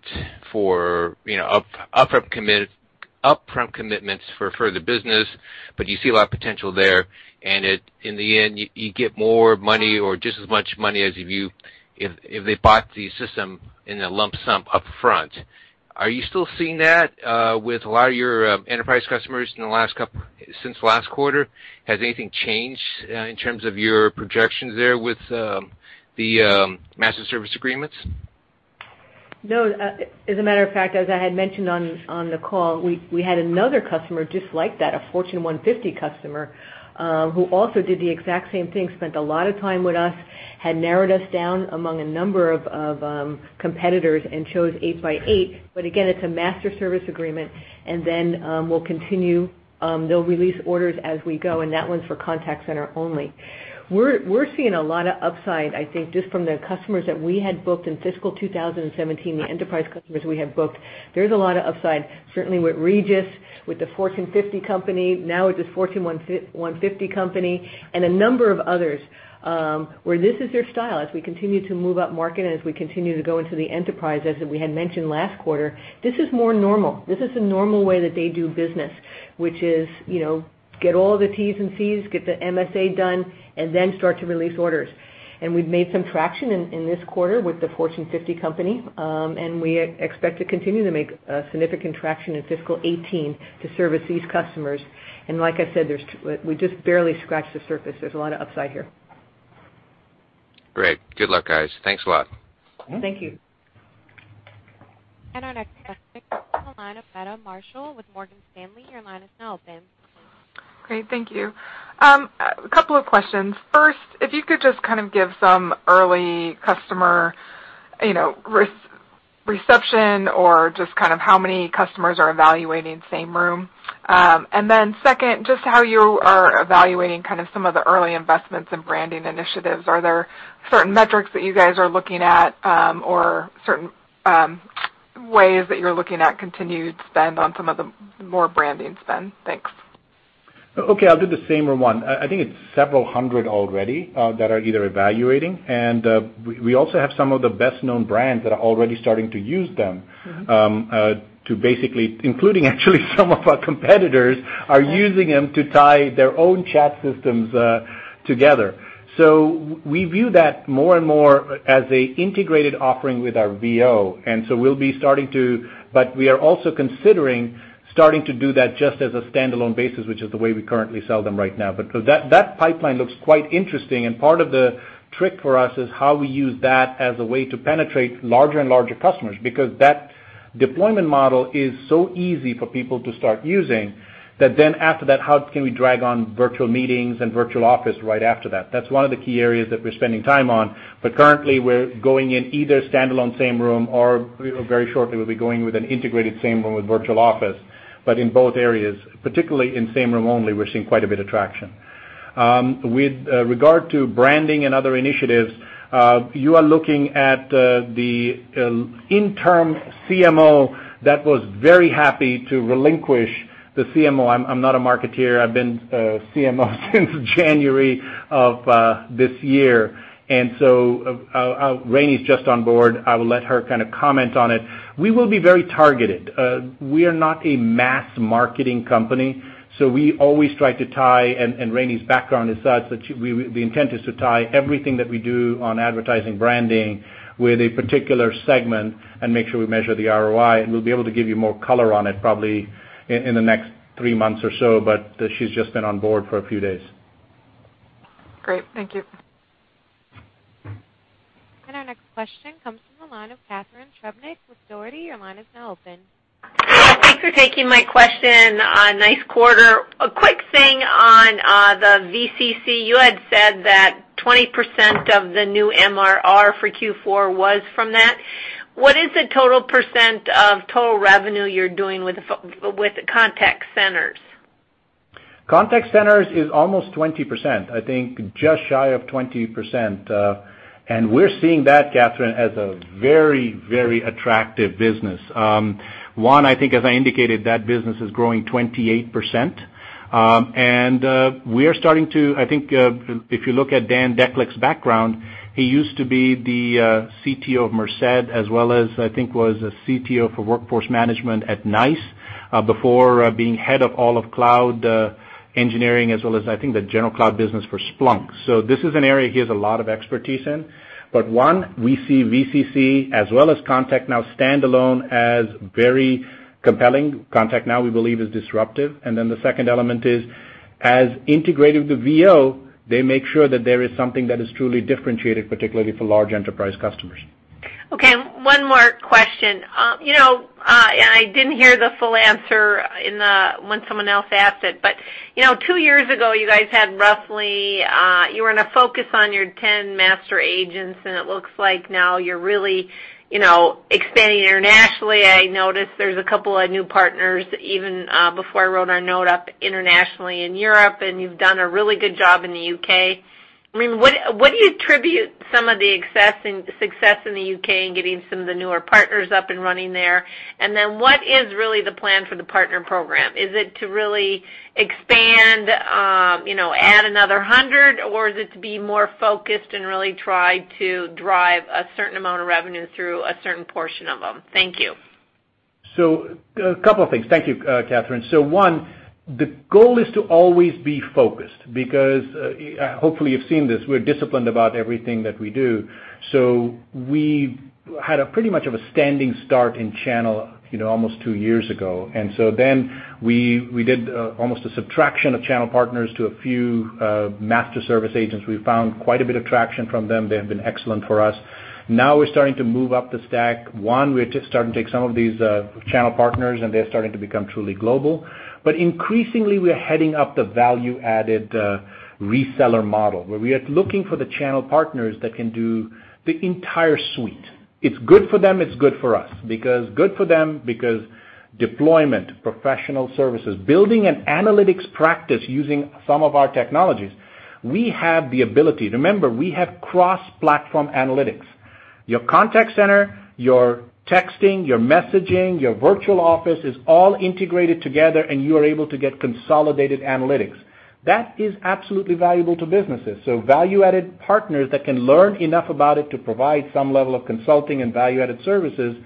commitments for further business, but you see a lot of potential there, and in the end, you get more money or just as much money as if they bought the system in a lump sum upfront. Are you still seeing that with a lot of your enterprise customers since last quarter? Has anything changed in terms of your projections there with the master service agreements? As a matter of fact, as I had mentioned on the call, we had another customer just like that, a Fortune 150 customer, who also did the exact same thing, spent a lot of time with us, had narrowed us down among a number of competitors and chose 8x8. Again, it's a master service agreement, and then they'll release orders as we go, and that one's for contact center only. We're seeing a lot of upside, I think, just from the customers that we had booked in fiscal 2017, the enterprise customers we have booked. There's a lot of upside, certainly with Regus, with the Fortune 50 company, now with this Fortune 150 company, and a number of others, where this is their style. As we continue to move up market, as we continue to go into the enterprise, as we had mentioned last quarter, this is more normal. This is the normal way that they do business, which is, get all the T's and C's, get the MSA done, and then start to release orders. We've made some traction in this quarter with the Fortune 50 company. We expect to continue to make significant traction in fiscal 2018 to service these customers. Like I said, we just barely scratched the surface. There's a lot of upside here. Great. Good luck, guys. Thanks a lot. Thank you. Our next question comes from the line of Meta Marshall with Morgan Stanley. Your line is now open. Great. Thank you. A couple of questions. First, if you could just give some early customer reception or just how many customers are evaluating Sameroom. Second, just how you are evaluating some of the early investments in branding initiatives. Are there certain metrics that you guys are looking at or certain ways that you're looking at continued spend on some of the more branding spend? Thanks. Okay, I'll do the Sameroom one. I think it's several hundred already that are either evaluating, and we also have some of the best-known brands that are already starting to use them. Including actually some of our competitors are using them to tie their own chat systems together. We view that more and more as an integrated offering with our VO. We are also considering starting to do that just as a standalone basis, which is the way we currently sell them right now. That pipeline looks quite interesting, and part of the trick for us is how we use that as a way to penetrate larger and larger customers, because that deployment model is so easy for people to start using, that then after that, how can we drag on Virtual Meeting and Virtual Office right after that? That's one of the key areas that we're spending time on. Currently, we're going in either standalone Sameroom or very shortly we'll be going with an integrated Sameroom with Virtual Office. In both areas, particularly in Sameroom only, we're seeing quite a bit of traction. With regard to branding and other initiatives, you are looking at the interim CMO that was very happy to relinquish the CMO. I'm not a marketeer. I've been CMO since January of this year. Rani's just on board. I will let her comment on it. We will be very targeted. We are not a mass marketing company, so we always try to tie, and Rani's background is such that the intent is to tie everything that we do on advertising branding with a particular segment and make sure we measure the ROI, and we'll be able to give you more color on it probably in the next 3 months or so. She's just been on board for a few days. Great. Thank you. Our next question comes from the line of Catharine Trebnick with Dougherty. Your line is now open. Thanks for taking my question. Nice quarter. A quick thing on the VCC. You had said that 20% of the new MRR for Q4 was from that. What is the total % of total revenue you're doing with the contact centers? Contact centers is almost 20%. I think just shy of 20%. We're seeing that, Catharine, as a very attractive business. One, I think as I indicated, that business is growing 28%, and I think if you look at Dejan Deklich's background, he used to be the CTO of Merced as well as I think was a CTO for workforce management at NICE before being head of all of cloud engineering as well as, I think, the general cloud business for Splunk. This is an area he has a lot of expertise in. One, we see VCC as well as ContactNow standalone as very compelling. ContactNow we believe is disruptive. The second element is as integrated with the VO, they make sure that there is something that is truly differentiated, particularly for large enterprise customers. Okay. One more question. I didn't hear the full answer when someone else asked it. Two years ago, you guys had roughly You were in a focus on your 10 master agents, and it looks like now you're really expanding internationally. I noticed there's a couple of new partners, even before I wrote our note up internationally in Europe, and you've done a really good job in the U.K. What do you attribute some of the success in the U.K. in getting some of the newer partners up and running there? What is really the plan for the partner program? Is it to really expand, add another 100, or is it to be more focused and really try to drive a certain amount of revenue through a certain portion of them? Thank you. A couple of things. Thank you, Catharine. One, the goal is to always be focused because, hopefully you've seen this, we're disciplined about everything that we do. We had a pretty much of a standing start in channel almost two years ago. We did almost a subtraction of channel partners to a few master service agents. We found quite a bit of traction from them. They have been excellent for us. Now we're starting to move up the stack. One, we're just starting to take some of these channel partners, and they're starting to become truly global. Increasingly, we are heading up the value-added reseller model, where we are looking for the channel partners that can do the entire suite. It's good for them, it's good for us. Good for them, because deployment, professional services, building an analytics practice using some of our technologies. We have cross-platform analytics. Your contact center, your texting, your messaging, your Virtual Office is all integrated together, and you are able to get consolidated analytics. That is absolutely valuable to businesses. Value-added partners that can learn enough about it to provide some level of consulting and value-added services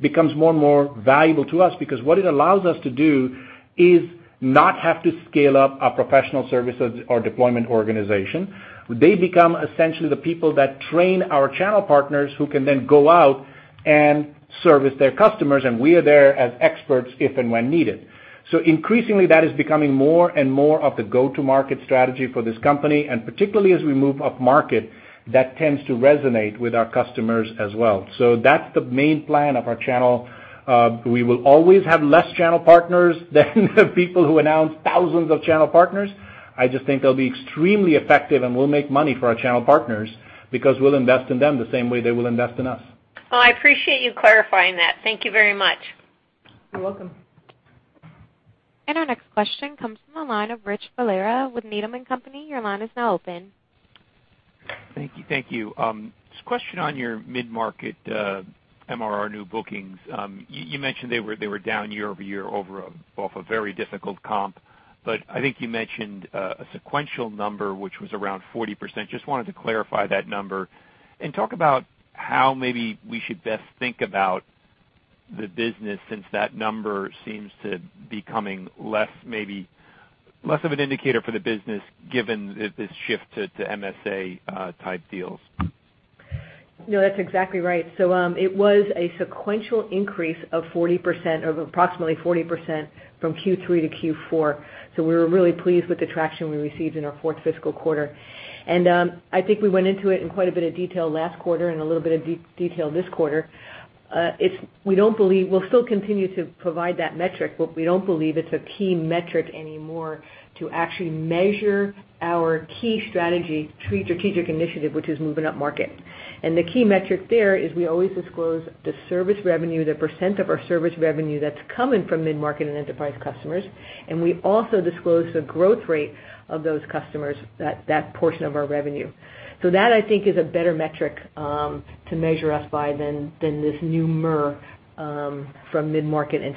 becomes more and more valuable to us because what it allows us to do is not have to scale up our professional services or deployment organization. They become essentially the people that train our channel partners who can then go out and service their customers, and we are there as experts if and when needed. Increasingly, that is becoming more and more of the go-to-market strategy for this company, and particularly as we move up market, that tends to resonate with our customers as well. That's the main plan of our channel. We will always have less channel partners than the people who announce thousands of channel partners. I just think they'll be extremely effective, and we'll make money for our channel partners because we'll invest in them the same way they will invest in us. Well, I appreciate you clarifying that. Thank you very much. You're welcome. Our next question comes from the line of Rich Valera with Needham & Company. Your line is now open. Thank you. Just a question on your mid-market MRR new bookings. You mentioned they were down year-over-year off a very difficult comp. I think you mentioned a sequential number, which was around 40%. Just wanted to clarify that number and talk about how maybe we should best think about the business since that number seems to becoming less of an indicator for the business given this shift to MSA type deals. No, that's exactly right. It was a sequential increase of approximately 40% from Q3 to Q4. We were really pleased with the traction we received in our fourth fiscal quarter. I think we went into it in quite a bit of detail last quarter and a little bit of detail this quarter. We'll still continue to provide that metric, but we don't believe it's a key metric anymore to actually measure our key strategic initiative, which is moving up market. The key metric there is we always disclose the service revenue, the % of our service revenue that's coming from mid-market and enterprise customers. We also disclose the growth rate of those customers, that portion of our revenue. That I think is a better metric to measure us by than this new MRR from mid-market and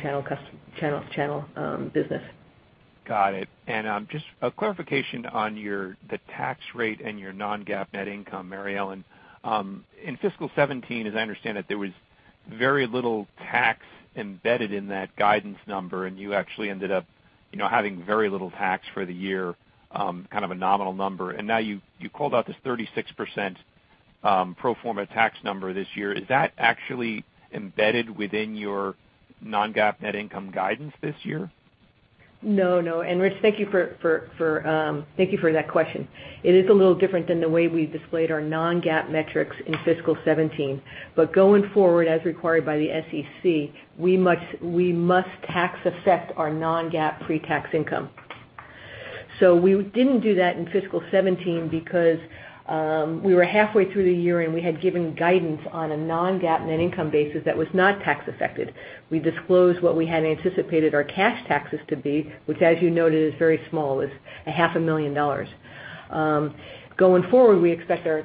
channel business. Got it. Just a clarification on the tax rate and your non-GAAP net income, Mary Ellen. In fiscal 2017, as I understand it, there was very little tax embedded in that guidance number, and you actually ended up having very little tax for the year, kind of a nominal number. Now you called out this 36% pro forma tax number this year. Is that actually embedded within your non-GAAP net income guidance this year? No. Rich, thank you for that question. It is a little different than the way we displayed our non-GAAP metrics in fiscal 2017. Going forward, as required by the SEC, we must tax affect our non-GAAP pre-tax income. We didn't do that in fiscal 2017 because we were halfway through the year, and we had given guidance on a non-GAAP net income basis that was not tax affected. We disclosed what we had anticipated our cash taxes to be, which as you noted, is very small. It's a half a million dollars. Going forward, we expect our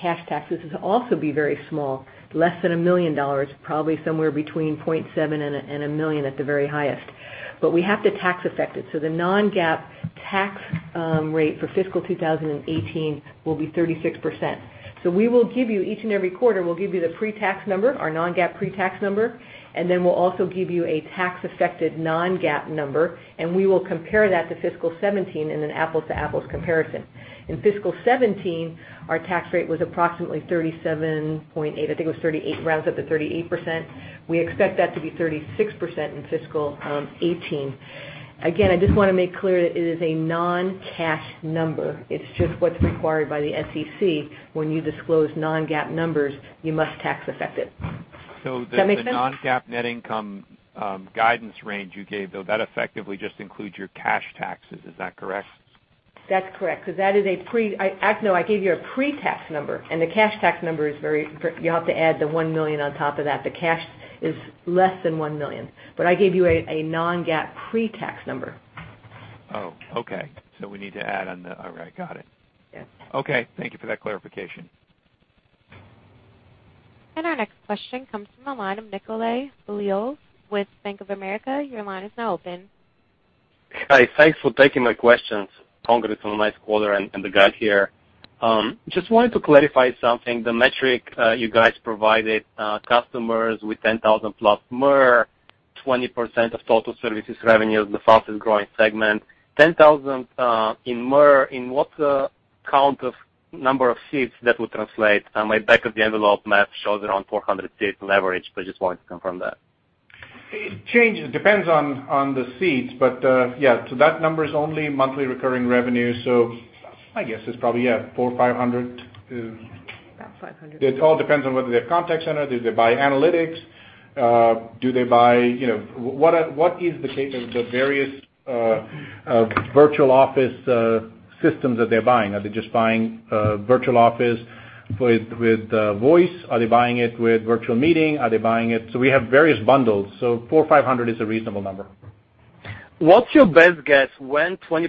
cash taxes to also be very small, less than $1 million, probably somewhere between $0.7 million and $1 million at the very highest. We have to tax affect it. The non-GAAP tax rate for fiscal 2018 will be 36%. Each and every quarter, we'll give you the pre-tax number, our non-GAAP pre-tax number, and then we'll also give you a tax affected non-GAAP number, and we will compare that to fiscal 2017 in an apples-to-apples comparison. In fiscal 2017, our tax rate was approximately 37.8%. I think it was 38%, rounds up to 38%. We expect that to be 36% in fiscal 2018. Again, I just want to make clear that it is a non-cash number. It's just what's required by the SEC. When you disclose non-GAAP numbers, you must tax affect it. Does that make sense? The non-GAAP net income guidance range you gave, though, that effectively just includes your cash taxes, is that correct? That's correct, because that is a pre-- No, I gave you a pre-tax number, and the cash tax number is very-- You'll have to add the $1 million on top of that. The cash is less than $1 million, I gave you a non-GAAP pre-tax number. Okay. We need to add on the. All right, got it. Yes. Thank you for that clarification. Our next question comes from the line of Nikolay Beliov with Bank of America. Your line is now open. Hi. Thanks for taking my questions. Congratulations on the nice quarter and the guide here. Just wanted to clarify something. The metric you guys provided, customers with $10,000-plus MRR, 20% of total services revenues, the fastest-growing segment. $10,000 in MRR, in what count of number of seats that would translate? My back of the envelope math shows around 400 seats leverage, but just wanted to confirm that. It changes. Depends on the seats. Yeah, that number is only monthly recurring revenue, my guess is probably, yeah, $400 or $500. About $500. It all depends on whether they have contact center. Do they buy analytics? What is the case of the various Virtual Office systems that they're buying? Are they just buying Virtual Office with voice? Are they buying it with Virtual Meeting? We have various bundles, so $400 or $500 is a reasonable number. What's your best guess when 20%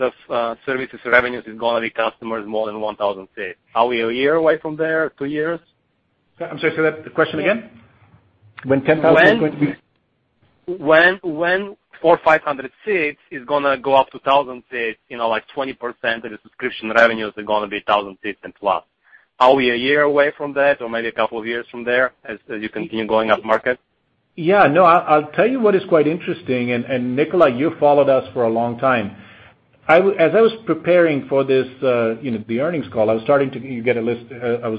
of services revenues is going to be customers more than 1,000 seats? Are we one year away from there? Two years? I'm sorry. Say that question again. When 400, 500 seats is going to go up to 1,000 seats, like 20% of the subscription revenues are going to be 1,000 seats and plus. Are we a year away from that or maybe a couple of years from there as you continue going up market? No, I'll tell you what is quite interesting. Nikolay, you've followed us for a long time. As I was preparing for the earnings call, I was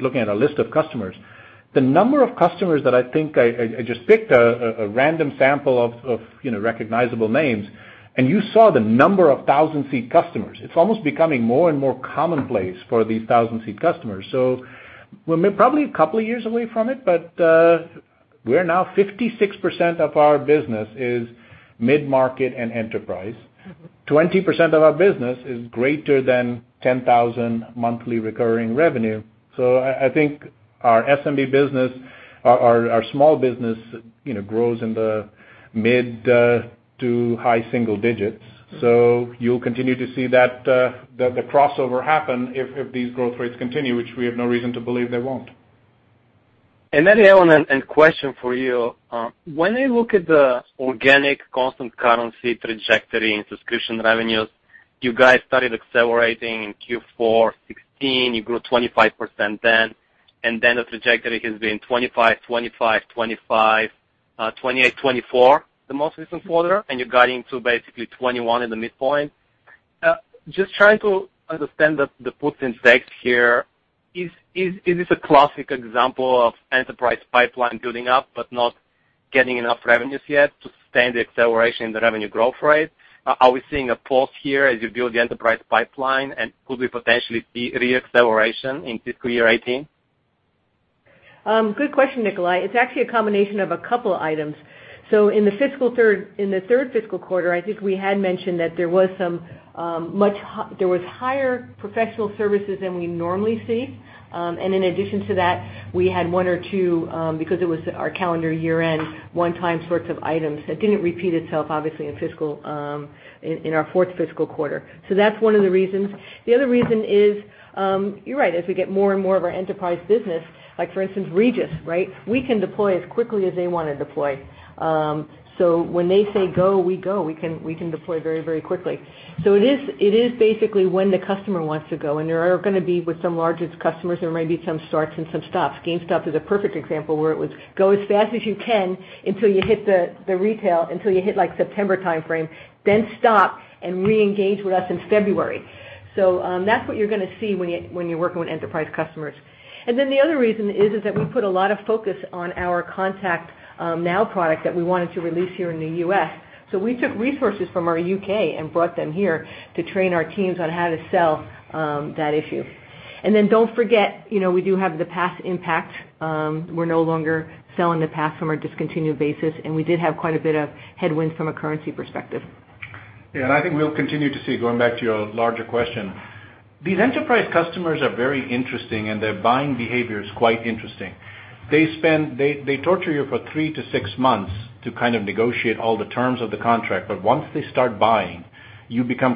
looking at a list of customers. The number of customers that I think I just picked a random sample of recognizable names, and you saw the number of 1,000-seat customers. It's almost becoming more and more commonplace for these 1,000-seat customers. We're probably a couple of years away from it, but we're now 56% of our business is mid-market and enterprise. Twenty percent of our business is greater than $10,000 monthly recurring revenue. I think our SMB business, our small business, grows in the mid to high single digits. You'll continue to see the crossover happen if these growth rates continue, which we have no reason to believe they won't. Mary Ellen, question for you. When I look at the organic constant currency trajectory and subscription revenues, you guys started accelerating in Q4 2016. You grew 25% then. The trajectory has been 25%, 25%, 25%, 28%, 24% the most recent quarter. You're guiding to basically 21% in the midpoint. Just trying to understand the puts and takes here. Is this a classic example of enterprise pipeline building up but not getting enough revenues yet to sustain the acceleration in the revenue growth rate? Are we seeing a pause here as you build the enterprise pipeline, and could we potentially see re-acceleration in fiscal year 2018? Good question, Nikolay. It's actually a combination of a couple items. In the third fiscal quarter, I think we had mentioned that there was higher professional services than we normally see. In addition to that, we had one or two, because it was our calendar year-end, one-time sorts of items that didn't repeat itself, obviously, in our fourth fiscal quarter. That's one of the reasons. The other reason is, you're right, as we get more and more of our enterprise business, like for instance, Regus, right? We can deploy as quickly as they want to deploy. When they say go, we go. We can deploy very quickly. It is basically when the customer wants to go, and there are going to be with some largest customers, there might be some starts and some stops. GameStop is a perfect example where it was go as fast as you can until you hit the retail, until you hit September timeframe, then stop and re-engage with us in February. That's what you're going to see when you're working with enterprise customers. The other reason is that we put a lot of focus on our ContactNow product that we wanted to release here in the U.S. We took resources from our U.K. and brought them here to train our teams on how to sell that issue. Don't forget, we do have the PaaS impact. We're no longer selling the PaaS from our discontinued basis, and we did have quite a bit of headwinds from a currency perspective. I think we'll continue to see, going back to your larger question. These enterprise customers are very interesting, and their buying behavior is quite interesting. They torture you for three to six months to kind of negotiate all the terms of the contract. Once they start buying, you become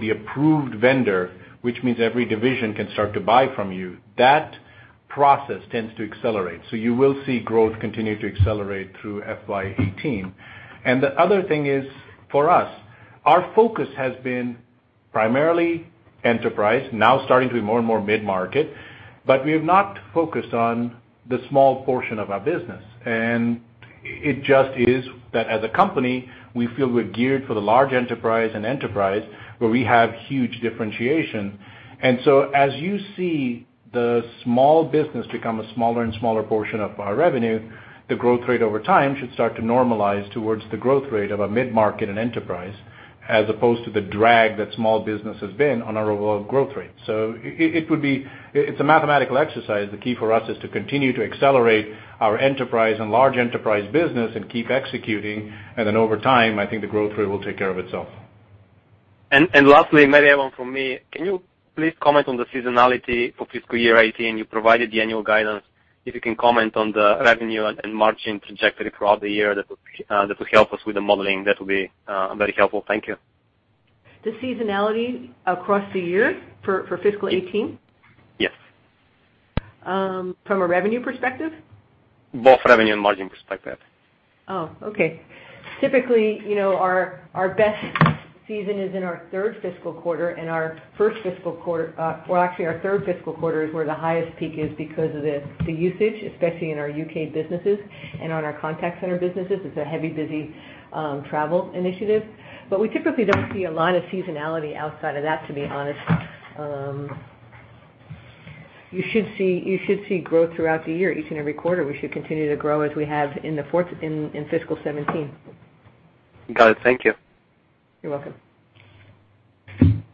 "the approved vendor," which means every division can start to buy from you. That process tends to accelerate. You will see growth continue to accelerate through FY 2018. The other thing is, for us, our focus has been primarily enterprise, now starting to be more and more mid-market, but we have not focused on the small portion of our business. It just is that as a company, we feel we're geared for the large enterprise and enterprise where we have huge differentiation. As you see the small business become a smaller and smaller portion of our revenue, the growth rate over time should start to normalize towards the growth rate of a mid-market and enterprise, as opposed to the drag that small business has been on our overall growth rate. It's a mathematical exercise. The key for us is to continue to accelerate our enterprise and large enterprise business and keep executing, and then over time, I think the growth rate will take care of itself. Lastly, Mary Ellen, from me, can you please comment on the seasonality for fiscal year 2018? You provided the annual guidance. If you can comment on the revenue and margin trajectory throughout the year, that would help us with the modeling. That would be very helpful. Thank you. The seasonality across the year for fiscal 2018? Yes. From a revenue perspective? Both revenue and margin perspective. Oh, okay. Typically, our best season is in our third fiscal quarter. Our third fiscal quarter is where the highest peak is because of the usage, especially in our U.K. businesses and on our contact center businesses. It's a heavy, busy travel initiative. We typically don't see a lot of seasonality outside of that, to be honest. You should see growth throughout the year. Each and every quarter, we should continue to grow as we have in fiscal 2017. Got it. Thank you. You're welcome.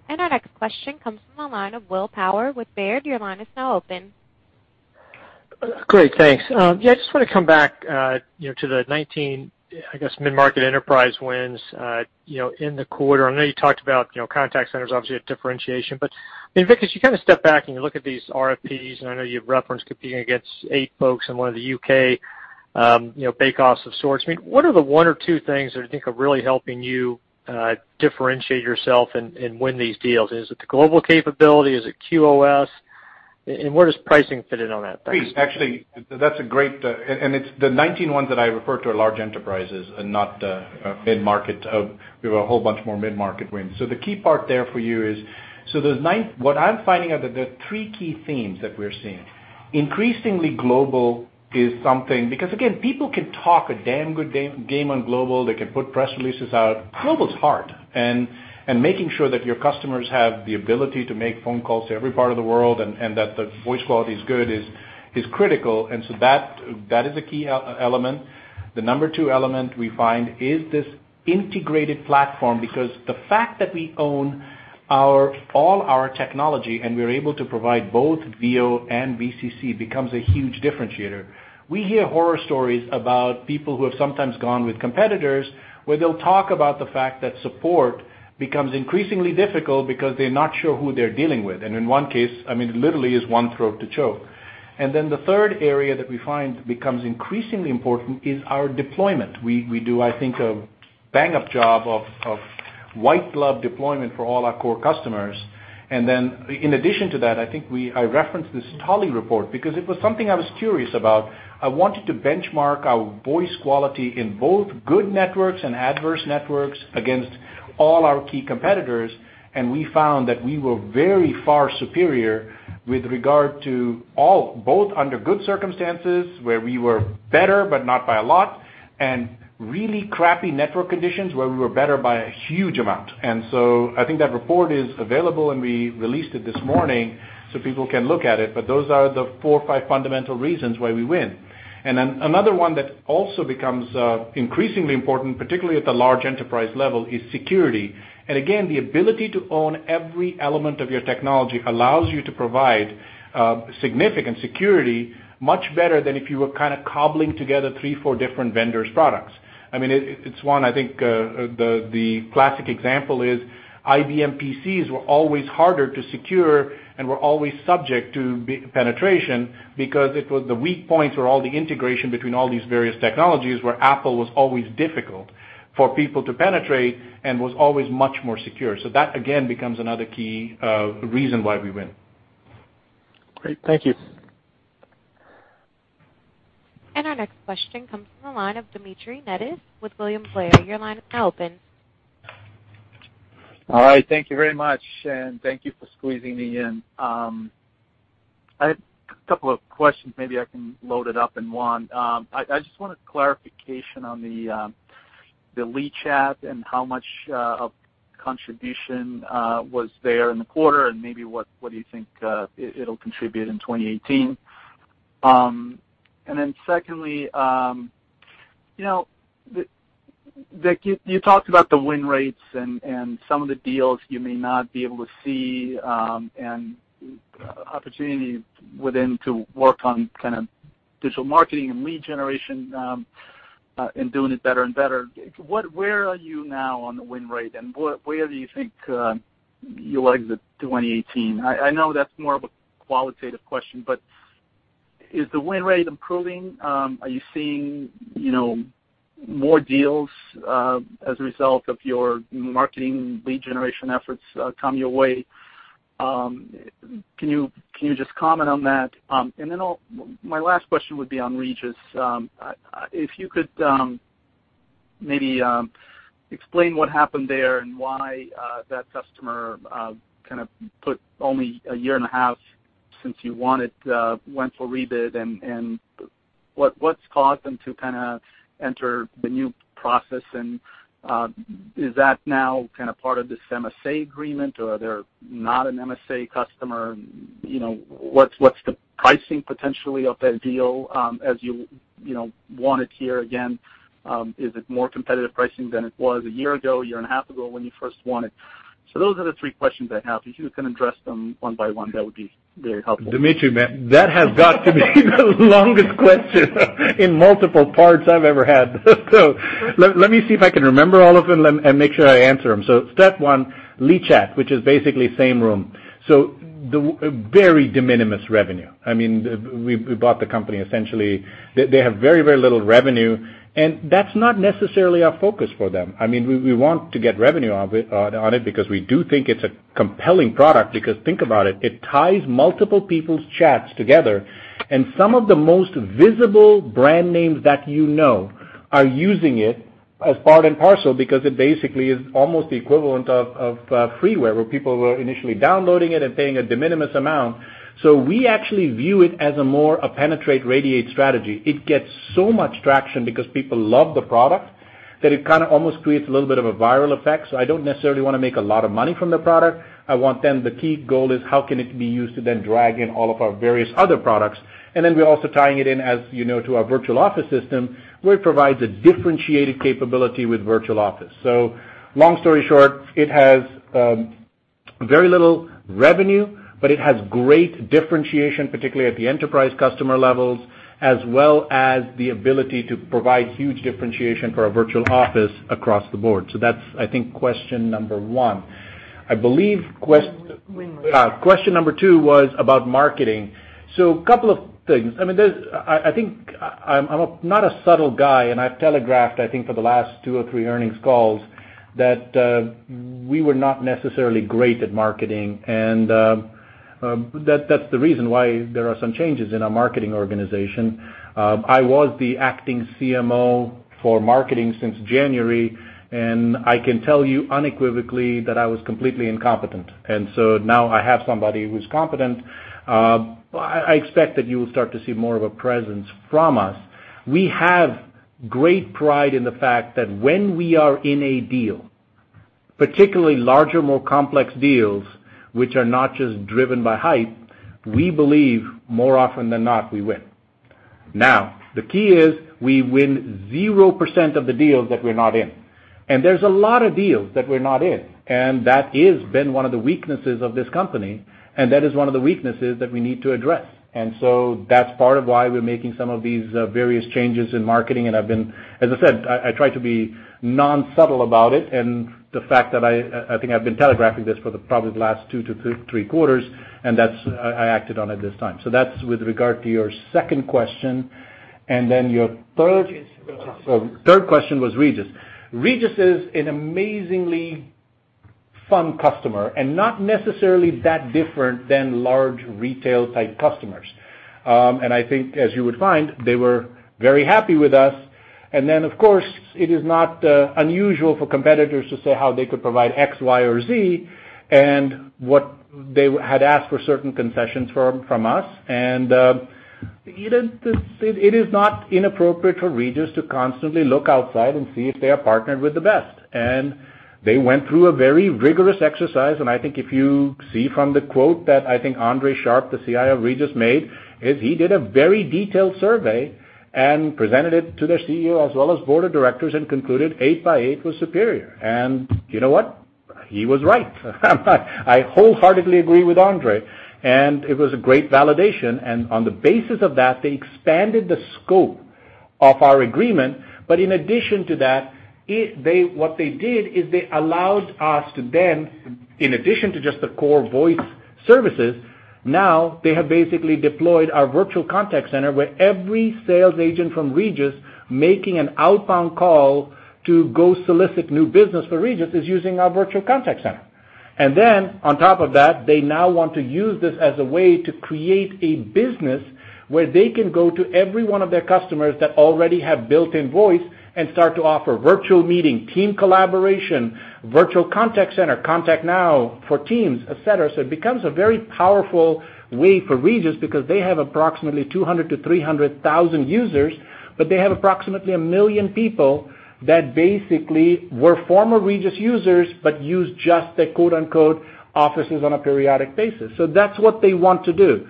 Our next question comes from the line of Will Power with Baird. Your line is now open. Great. Thanks. I just want to come back to the 19, I guess, mid-market enterprise wins in the quarter. I know you talked about contact centers, obviously a differentiation. I mean, Vik, as you step back and you look at these RFPs, and I know you've referenced competing against eight folks in one of the U.K. bake-offs of sorts. I mean, what are the one or two things that you think are really helping you differentiate yourself and win these deals? Is it the global capability? Is it QOS? Where does pricing fit in on that? Thanks. Great. Actually, that's a great. The 19 ones that I referred to are large enterprises and not mid-market. We have a whole bunch more mid-market wins. The key part there for you is, what I'm finding out that there are three key themes that we're seeing. Increasingly global is something, because again, people can talk a damn good game on global. They can put press releases out. Global's hard. Making sure that your customers have the ability to make phone calls to every part of the world and that the voice quality is good is critical. That is a key element. The number 2 element we find is this integrated platform, because the fact that we own all our technology, and we're able to provide both VO and VCC becomes a huge differentiator. We hear horror stories about people who have sometimes gone with competitors, where they'll talk about the fact that support becomes increasingly difficult because they're not sure who they're dealing with. In one case, I mean, literally is one throat to choke. The third area that we find becomes increasingly important is our deployment. We do, I think, a bang-up job of white glove deployment for all our core customers. In addition to that, I think I referenced this Tolly report, because it was something I was curious about. I wanted to benchmark our voice quality in both good networks and adverse networks against all our key competitors, we found that we were very far superior with regard to all, both under good circumstances, where we were better, but not by a lot, really crappy network conditions, where we were better by a huge amount. I think that report is available, we released it this morning so people can look at it. Those are the four or five fundamental reasons why we win. Another one that also becomes increasingly important, particularly at the large enterprise level, is security. Again, the ability to own every element of your technology allows you to provide significant security much better than if you were kind of cobbling together three, four different vendors' products. I mean, it's one, I think, the classic example is IBM PCs were always harder to secure and were always subject to penetration because it was the weak points were all the integration between all these various technologies, where Apple was always difficult for people to penetrate and was always much more secure. That, again, becomes another key reason why we win. Great. Thank you. Our next question comes from the line of Dmitry Netis with William Blair. Your line is now open. All right. Thank you very much, thank you for squeezing me in. I had a couple of questions. Maybe I can load it up in one. I just wanted clarification on the LeChat and how much of contribution was there in the quarter, and maybe what do you think it'll contribute in 2018? Secondly, Vik, you talked about the win rates and some of the deals you may not be able to see and opportunity within to work on kind of digital marketing and lead generation and doing it better and better. Where are you now on the win rate, and where do you think you'll exit 2018? I know that's more of a qualitative question, but is the win rate improving? Are you seeing more deals as a result of your marketing lead generation efforts come your way? Can you just comment on that? My last question would be on Regus. If you could maybe explain what happened there and why that customer kind of put only a year and a half since you won it, went for rebid, and what's caused them to kind of enter the new process, and is that now kind of part of this MSA agreement, or are they not an MSA customer? What's the pricing potentially of that deal as you won it here again? Is it more competitive pricing than it was a year ago, a year and a half ago when you first won it? Those are the three questions I have. If you can address them one by one, that would be very helpful. Dmitry, man, that has got to be the longest question in multiple parts I've ever had. Let me see if I can remember all of them and make sure I answer them. Step 1, LeChat, which is basically Sameroom. Very de minimis revenue. We bought the company, essentially, they have very little revenue, and that's not necessarily our focus for them. We want to get revenue on it because we do think it's a compelling product because think about it ties multiple people's chats together, and some of the most visible brand names that you know are using it as part and parcel because it basically is almost the equivalent of freeware, where people were initially downloading it and paying a de minimis amount. We actually view it as a more penetrate radiate strategy. It gets so much traction because people love the product, that it almost creates a little bit of a viral effect. I don't necessarily want to make a lot of money from the product. I want them, the key goal is how can it be used to then drag in all of our various other products. We're also tying it in, as you know, to our Virtual Office system, where it provides a differentiated capability with Virtual Office. Long story short, it has very little revenue, but it has great differentiation, particularly at the enterprise customer levels, as well as the ability to provide huge differentiation for our Virtual Office across the board. That's, I think, question number 1. I believe question number 2 was about marketing. A couple of things. I think I'm not a subtle guy, I've telegraphed, I think, for the last two or three earnings calls that we were not necessarily great at marketing. That's the reason why there are some changes in our marketing organization. I was the acting CMO for marketing since January, I can tell you unequivocally that I was completely incompetent. Now I have somebody who's competent. I expect that you will start to see more of a presence from us. We have great pride in the fact that when we are in a deal, particularly larger, more complex deals, which are not just driven by hype, we believe more often than not, we win. Now, the key is we win 0% of the deals that we're not in. There's a lot of deals that we're not in. That has been one of the weaknesses of this company, and that is one of the weaknesses that we need to address. That's part of why we're making some of these various changes in marketing. As I said, I try to be non-subtle about it and the fact that I think I've been telegraphing this for probably the last two to three quarters, and that I acted on it this time. That's with regard to your second question. Your third question was Regus. Regus is an amazingly fun customer and not necessarily that different than large retail type customers. I think as you would find, they were very happy with us. Then, of course, it is not unusual for competitors to say how they could provide X, Y, or Z, and they had asked for certain concessions from us. It is not inappropriate for Regus to constantly look outside and see if they are partnered with the best. They went through a very rigorous exercise, I think if you see from the quote that I think Andre Sharpe, the CIO of Regus, made, is he did a very detailed survey and presented it to their CEO as well as board of directors and concluded 8x8 was superior. You know what? He was right. I wholeheartedly agree with Andre. It was a great validation, and on the basis of that, they expanded the scope of our agreement. In addition to that, what they did is they allowed us to then, in addition to just the core voice services, now they have basically deployed our Virtual Contact Center where every sales agent from Regis making an outbound call to go solicit new business for Regis is using our Virtual Contact Center. On top of that, they now want to use this as a way to create a business where they can go to every one of their customers that already have built-in voice and start to offer Virtual Meeting, team collaboration, Virtual Contact Center, ContactNow for teams, et cetera. It becomes a very powerful way for Regis because they have approximately 200,000 to 300,000 users, but they have approximately 1 million people that basically were former Regis users, but use just their quote-unquote "offices on a periodic basis." That's what they want to do.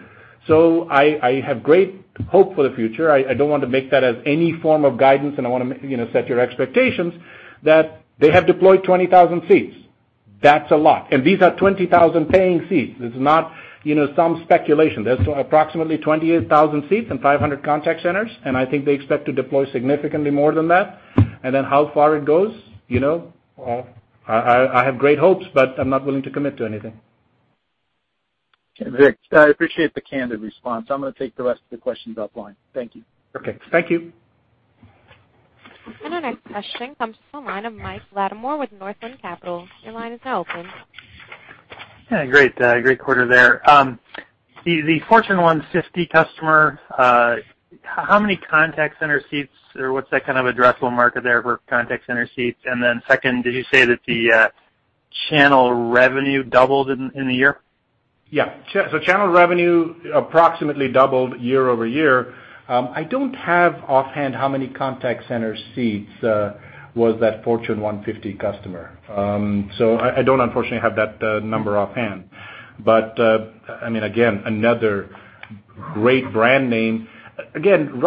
I have great hope for the future. I don't want to make that as any form of guidance, and I want to set your expectations that they have deployed 20,000 seats. That's a lot. These are 20,000 paying seats. This is not some speculation. There's approximately 28,000 seats and 500 contact centers, and I think they expect to deploy significantly more than that. How far it goes, I have great hopes, but I'm not willing to commit to anything. Okay, Vik, I appreciate the candid response. I'm going to take the rest of the questions offline. Thank you. Okay. Thank you. Our next question comes from the line of Mike Latimore with Northland Capital. Your line is now open. Yeah, great quarter there. The Fortune 150 customer, how many contact center seats, or what's that kind of addressable market there for contact center seats? Second, did you say that the channel revenue doubled in the year? Channel revenue approximately doubled year-over-year. I don't have offhand how many contact center seats was that Fortune 150 customer. I don't unfortunately have that number offhand. Again, another great brand name. Again,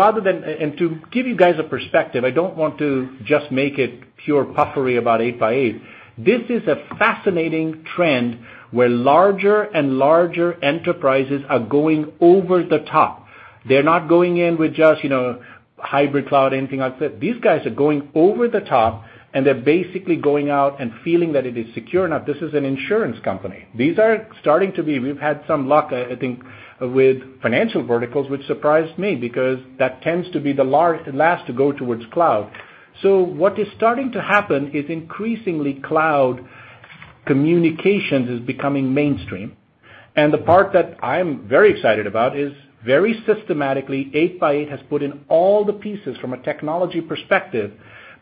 to give you guys a perspective, I don't want to just make it pure puffery about 8x8. This is a fascinating trend where larger and larger enterprises are going over the top. They're not going in with just hybrid cloud, anything like that. These guys are going over the top, and they're basically going out and feeling that it is secure enough. This is an insurance company. We've had some luck, I think, with financial verticals, which surprised me because that tends to be the last to go towards cloud. What is starting to happen is increasingly cloud communications is becoming mainstream. The part that I'm very excited about is very systematically, 8x8 has put in all the pieces from a technology perspective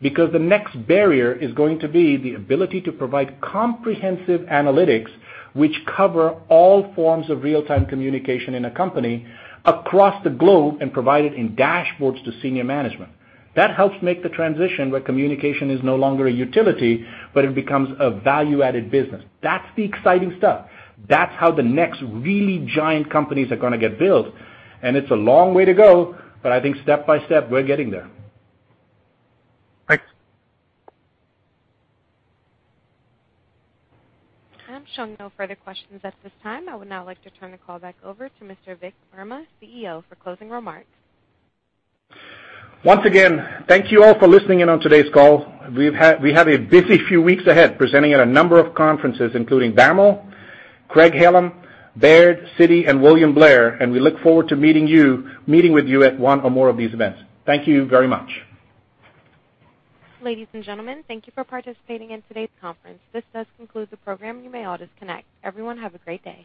because the next barrier is going to be the ability to provide comprehensive analytics which cover all forms of real-time communication in a company across the globe and provide it in dashboards to senior management. That helps make the transition where communication is no longer a utility, but it becomes a value-added business. That's the exciting stuff. That's how the next really giant companies are going to get built. It's a long way to go, but I think step by step, we're getting there. Thanks. I'm showing no further questions at this time. I would now like to turn the call back over to Mr. Vik Verma, CEO, for closing remarks. Once again, thank you all for listening in on today's call. We have a busy few weeks ahead presenting at a number of conferences, including BAML, Craig-Hallum, Baird, Citi, and William Blair. We look forward to meeting with you at one or more of these events. Thank you very much. Ladies and gentlemen, thank you for participating in today's conference. This does conclude the program. You may all disconnect. Everyone have a great day.